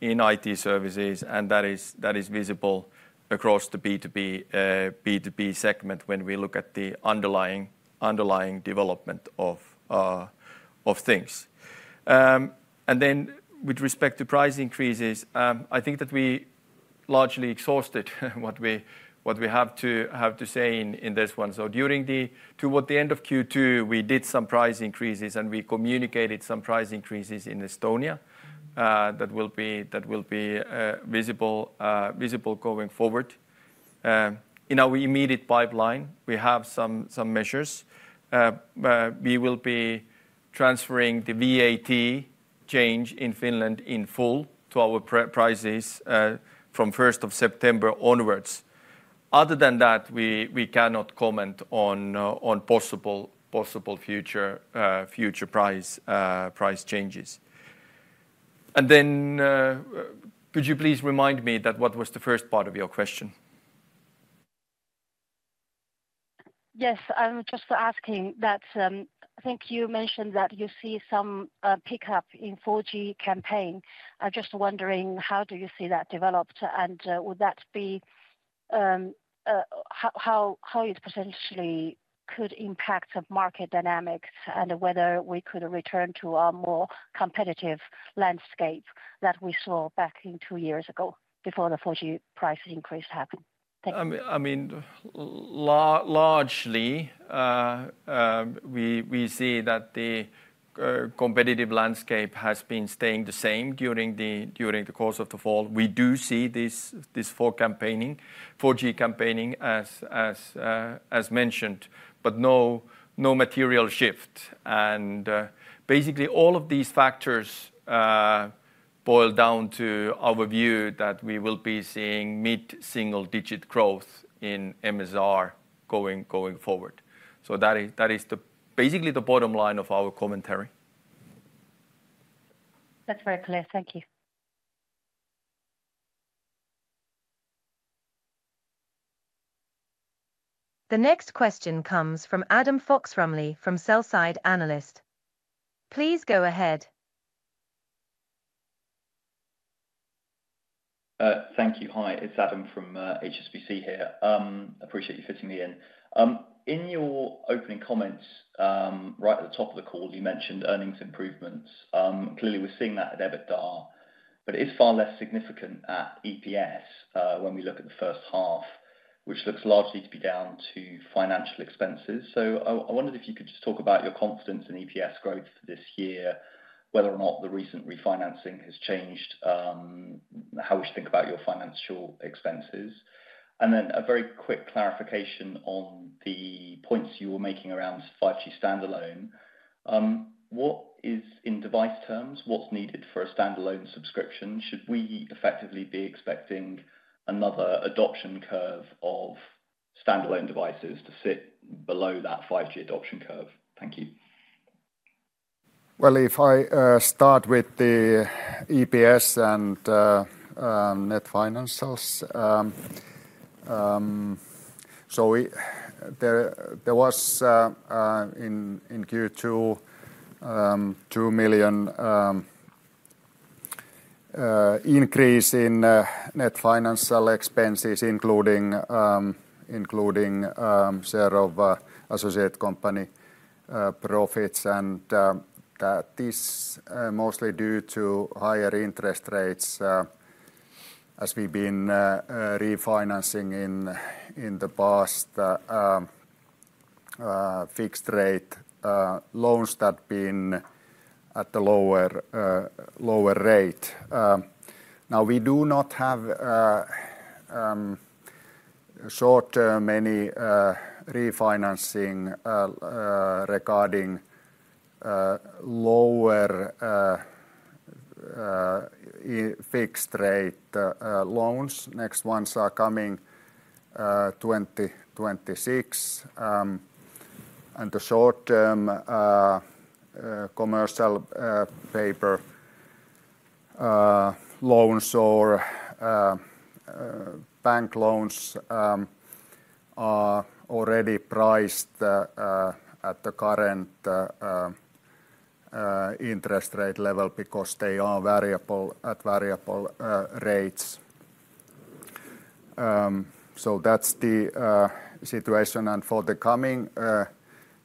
in IT services, and that is that is visible across the B2B B2B segment when we look at the underlying underlying development of things. And then with respect to price increases, I think that we largely exhausted what we have to say in this one. So toward the end of Q2, we did some price increases, and we communicated some price increases in Estonia that will be visible going forward. In our immediate pipeline, we have some measures, but we will be transferring the VAT change in Finland in full to our prices from first of September onwards. Other than that, we cannot comment on possible future price changes. And then, could you please remind me what was the first part of your question? Yes, I'm just asking that. I think you mentioned that you see some pickup in 4G campaign. I'm just wondering, how do you see that developed, and would that be how it potentially could impact the market dynamics? And whether we could return to a more competitive landscape that we saw back in two years ago, before the 4G price increase happened. Thank you. I mean, largely, we see that the competitive landscape has been staying the same during the course of the fall. We do see this 4G campaigning, as mentioned, but no material shift. And basically, all of these factors boil down to our view that we will be seeing mid-single-digit growth in MSR going forward. So that is basically the bottom line of our commentary. That's very clear. Thank you. The next question comes from Adam Fox-Rumley from HSBC. Please go ahead. Thank you. Hi, it's Adam from HSBC here. Appreciate you fitting me in. In your opening comments, right at the top of the call, you mentioned earnings improvements. Clearly, we're seeing that at EBITDA, but it's far less significant at EPS, when we look at the first half, which looks largely to be down to financial expenses. So I wondered if you could just talk about your confidence in EPS growth this year, whether or not the recent refinancing has changed how we should think about your financial expenses? And then a very quick clarification on the points you were making around 5G Standalone. What is, in device terms, what's needed for a standalone subscription? Should we effectively be expecting another adoption curve of standalone devices to sit below that 5G adoption curve? Thank you. Well, if I start with the EPS and net financials. So there was in Q2 a EUR 2 million increase in net financial expenses, including share of associate company profits. And this mostly due to higher interest rates, as we've been refinancing in the past fixed rate loans that been at the lower rate. Now, we do not have short term any refinancing regarding lower fixed rate loans. Next ones are coming 2026. And the short-term commercial paper loans or bank loans are already priced at the current interest rate level because they are variable at variable rates.... So that's the situation. For the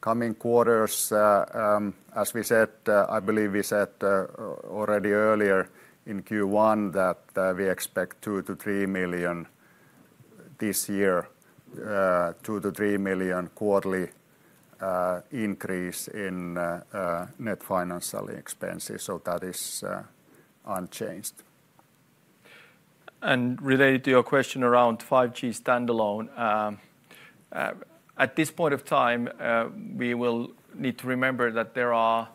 coming quarters, as we said, I believe we said already earlier in Q1 that we expect 2 million-3 million this year, 2 million-3 million quarterly increase in net financial expenses, so that is unchanged. And related to your question around 5G Standalone, at this point of time, we will need to remember that there are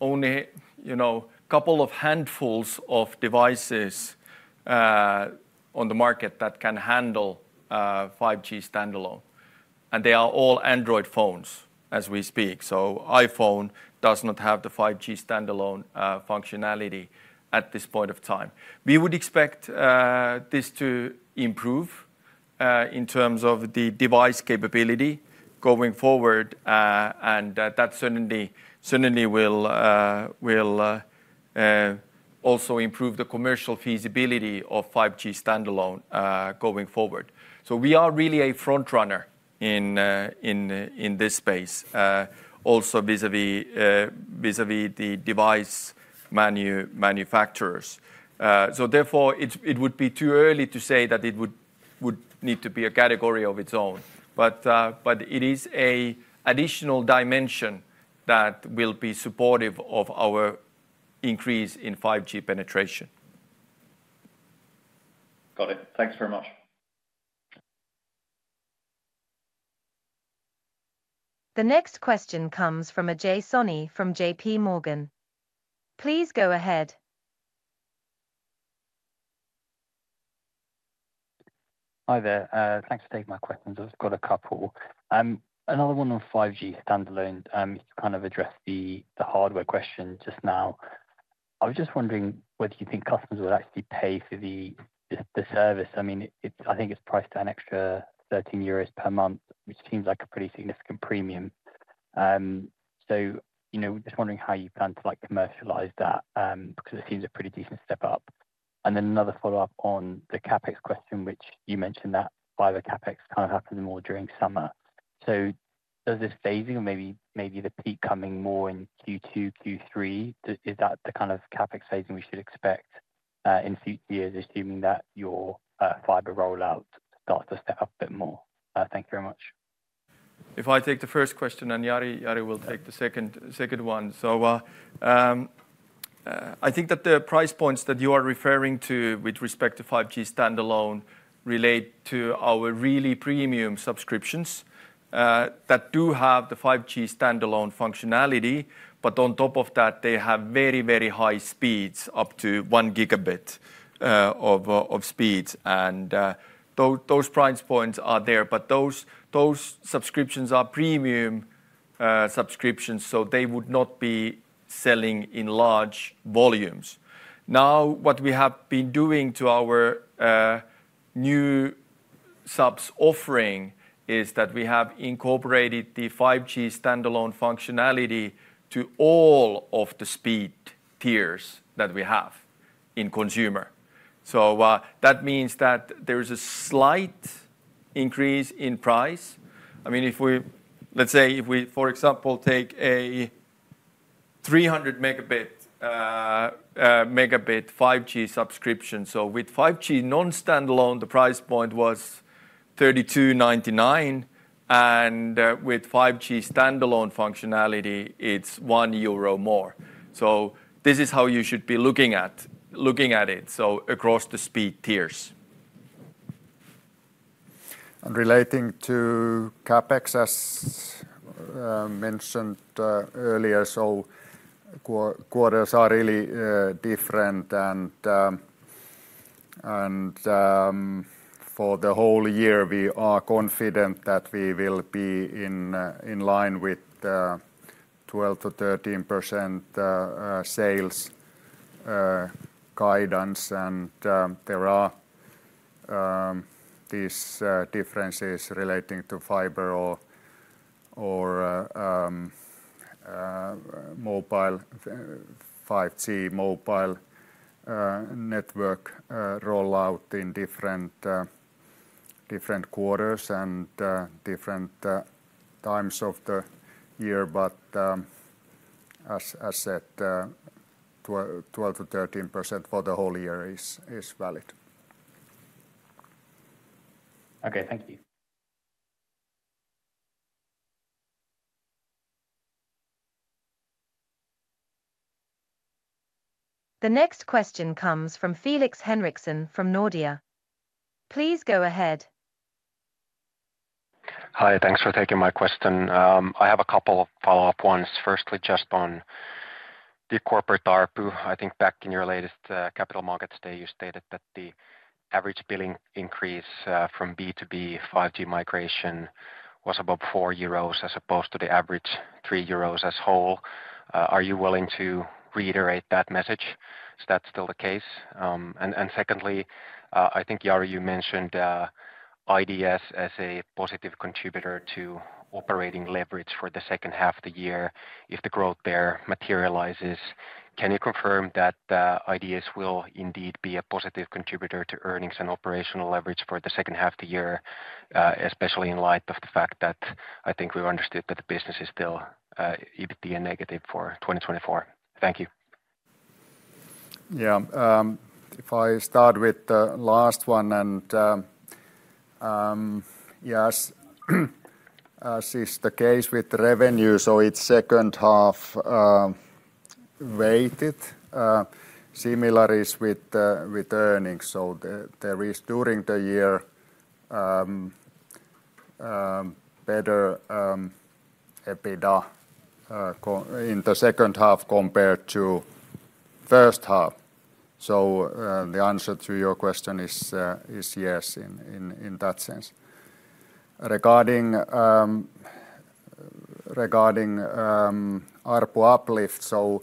only, you know, couple of handfuls of devices on the market that can handle 5G Standalone, and they are all Android phones as we speak. So iPhone does not have the 5G Standalone functionality at this point of time. We would expect this to improve in terms of the device capability going forward, and that certainly will also improve the commercial feasibility of 5G Standalone going forward. So we are really a frontrunner in this space. Also vis-à-vis the device manufacturers. So therefore, it would be too early to say that it would need to be a category of its own. But it is an additional dimension that will be supportive of our increase in 5G penetration. Got it. Thanks very much. The next question comes from Ajay Soni from J.P. Morgan. Please go ahead. Hi there, thanks for taking my questions. I've just got a couple. Another one on 5G Standalone, to kind of address the hardware question just now. I was just wondering whether you think customers would actually pay for the service? I mean, it's priced at an extra 13 euros per month, which seems like a pretty significant premium. So, you know, just wondering how you plan to, like, commercialize that, because it seems a pretty decent step up. And then another follow-up on the CapEx question, which you mentioned that fiber CapEx kind of happened more during summer. So does this phasing or maybe, maybe the peak coming more in Q2, Q3, is that the kind of CapEx phasing we should expect in future years, assuming that your fiber rollout starts to step up a bit more? Thank you very much. If I take the first question, and Jari, Jari will take the second, second one. So, I think that the price points that you are referring to with respect to 5G Standalone relate to our really premium subscriptions that do have the 5G Standalone functionality. But on top of that, they have very, very high speeds, up to 1 gigabit of speeds. And those price points are there, but those subscriptions are premium subscriptions, so they would not be selling in large volumes. Now, what we have been doing to our new subs offering is that we have incorporated the 5G Standalone functionality to all of the speed tiers that we have in consumer. So, that means that there is a slight increase in price. I mean, if we... Let's say, if we, for example, take a 300 megabit 5G subscription. So with 5G Non-Standalone, the price point was 32.99, and with 5G standalone functionality, it's 1 euro more. So this is how you should be looking at it, so across the speed tiers. And relating to CapEx, as mentioned earlier, so quarters are really different and for the whole year, we are confident that we will be in line with 12%-13% sales guidance. And there are these differences relating to fiber or mobile 5G mobile network rollout in different quarters and different times of the year. But as said, 12%-13% for the whole year is valid. Okay. Thank you. The next question comes from Felix Henriksson from Nordea. Please go ahead. Hi, thanks for taking my question. I have a couple of follow-up ones. Firstly, just on the corporate ARPU. I think back in your latest Capital Markets Day, you stated that the average billing increase from B2B 5G migration was about 4 euros, as opposed to the average 3 euros as whole. Are you willing to reiterate that message? Is that still the case? And secondly, I think, Jari, you mentioned IDS as a positive contributor to operating leverage for the second half of the year, if the growth there materializes, can you confirm that IDS will indeed be a positive contributor to earnings and operational leverage for the second half of the year, especially in light of the fact that I think we've understood that the business is still EBITDA negative for 2024? Thank you. Yeah. If I start with the last one and yes, as is the case with revenue, so it's second half weighted. Similar is with earnings. So there is during the year better EBITDA in the second half compared to first half. So the answer to your question is yes, in that sense. Regarding ARPU uplift, so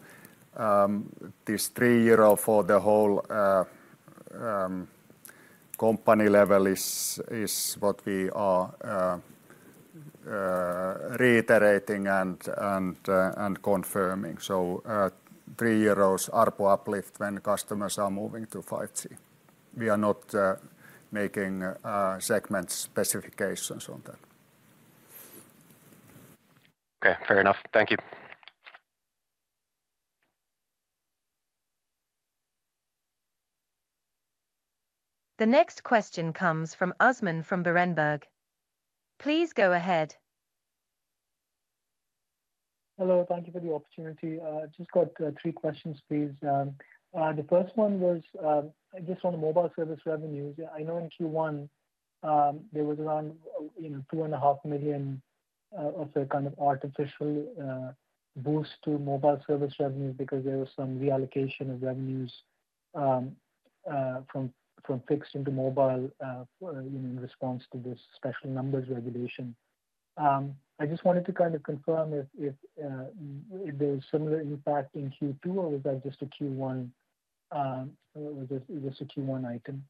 this 3 euro for the whole company level is what we are reiterating and confirming. So EUR 3 ARPU uplift when customers are moving to 5G. We are not making segment specifications on that. Okay, fair enough. Thank you. The next question comes from Usman from Berenberg. Please go ahead. Hello, thank you for the opportunity. Just got three questions, please. The first one was just on the mobile service revenues. I know in Q1, there was around, you know, 2.5 million of a kind of artificial boost to mobile service revenues because there was some reallocation of revenues from fixed into mobile in response to this special numbers regulation. I just wanted to kind of confirm if there was similar impact in Q2, or was that just a Q1... Was just a Q1 item?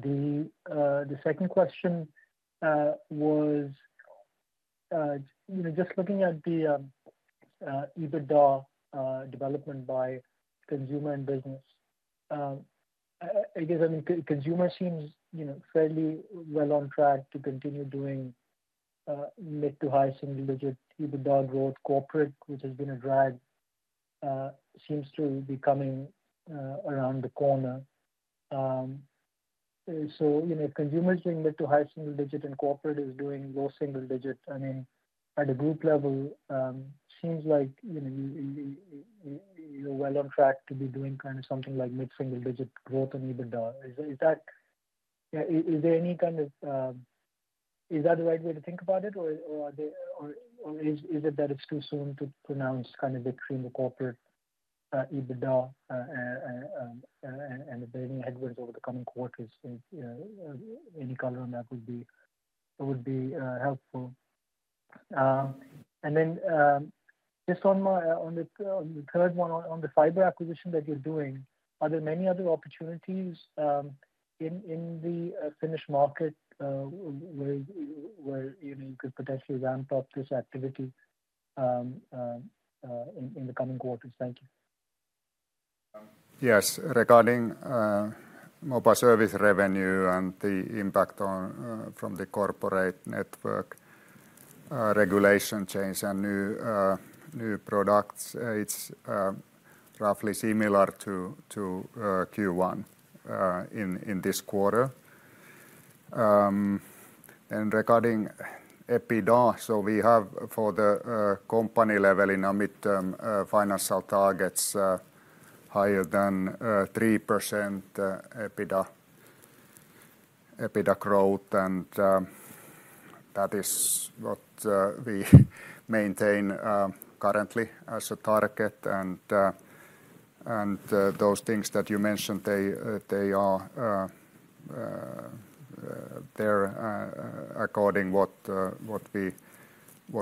The second question was, you know, just looking at the EBITDA development by consumer and business, I guess, I mean, consumer seems, you know, fairly well on track to continue doing mid- to high-single-digit EBITDA growth corporate, which has been a drag, seems to be coming around the corner. So, you know, consumer is doing mid- to high-single-digit, and corporate is doing low-single-digit. I mean, at a group level, seems like, you know, you're well on track to be doing kind of something like mid-single-digit growth in EBITDA. Is that—is there any kind of... Is that the right way to think about it, or is it that it's too soon to pronounce kind of victory in the corporate EBITDA and there being headwinds over the coming quarters? If any color on that would be helpful. And then just on the third one, on the fiber acquisition that you're doing, are there many other opportunities in the Finnish market where you know you could potentially ramp up this activity in the coming quarters? Thank you. Yes. Regarding mobile service revenue and the impact from the corporate network regulation change and new products, it's roughly similar to Q1 in this quarter. And regarding EBITDA, we have for the company level in our midterm financial targets higher than 3% EBITDA growth, and that is what we maintain currently as a target. And those things that you mentioned, they are according what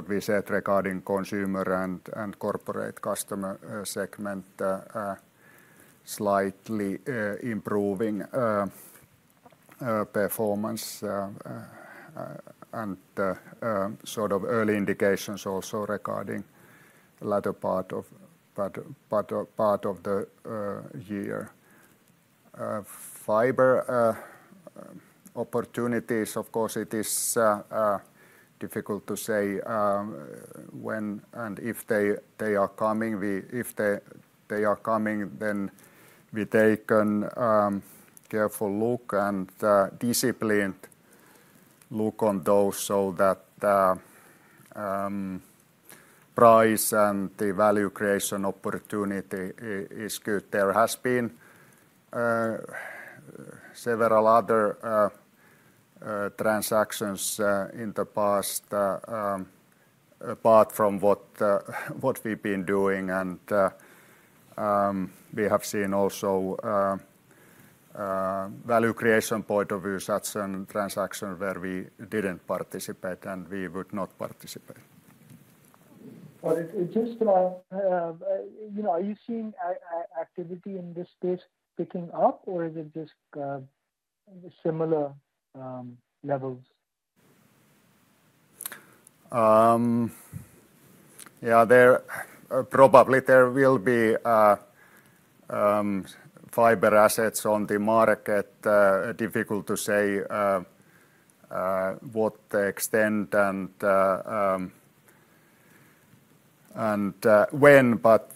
we said regarding consumer and corporate customer segment slightly improving performance and sort of early indications also regarding the latter part of the year. Fiber opportunities, of course, it is difficult to say when and if they, they are coming. If they, they are coming, then we take an careful look and disciplined look on those so that price and the value creation opportunity is good. There has been several other transactions in the past apart from what, what we've been doing, and we have seen also value creation point of view, such an transaction where we didn't participate, and we would not participate.... But it just, you know, are you seeing activity in this space picking up, or is it just similar levels? Yeah, there probably will be fiber assets on the market. Difficult to say what the extent and when, but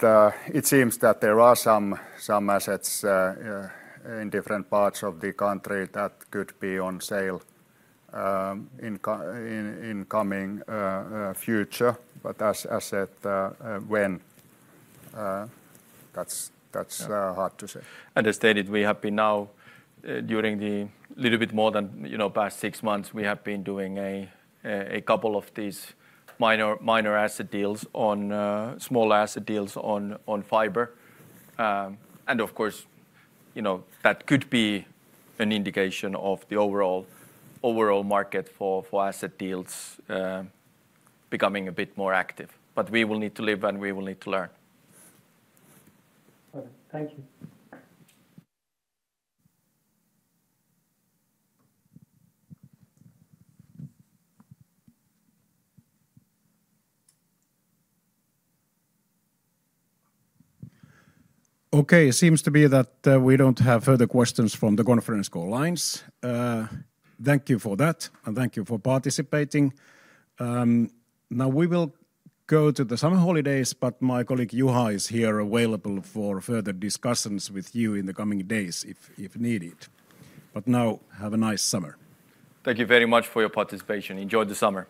it seems that there are some assets in different parts of the country that could be on sale in coming future. But as to when, that's hard to say. As stated, we have been now during the little bit more than, you know, past 6 months, we have been doing a couple of these minor, minor asset deals on small asset deals on fiber. And of course, you know, that could be an indication of the overall, overall market for asset deals becoming a bit more active. But we will need to live and we will need to learn. Okay. Thank you. Okay. It seems to be that we don't have further questions from the conference call lines. Thank you for that, and thank you for participating. Now we will go to the summer holidays, but my colleague, Juha, is here available for further discussions with you in the coming days if, if needed. But now have a nice summer. Thank you very much for your participation. Enjoy the summer.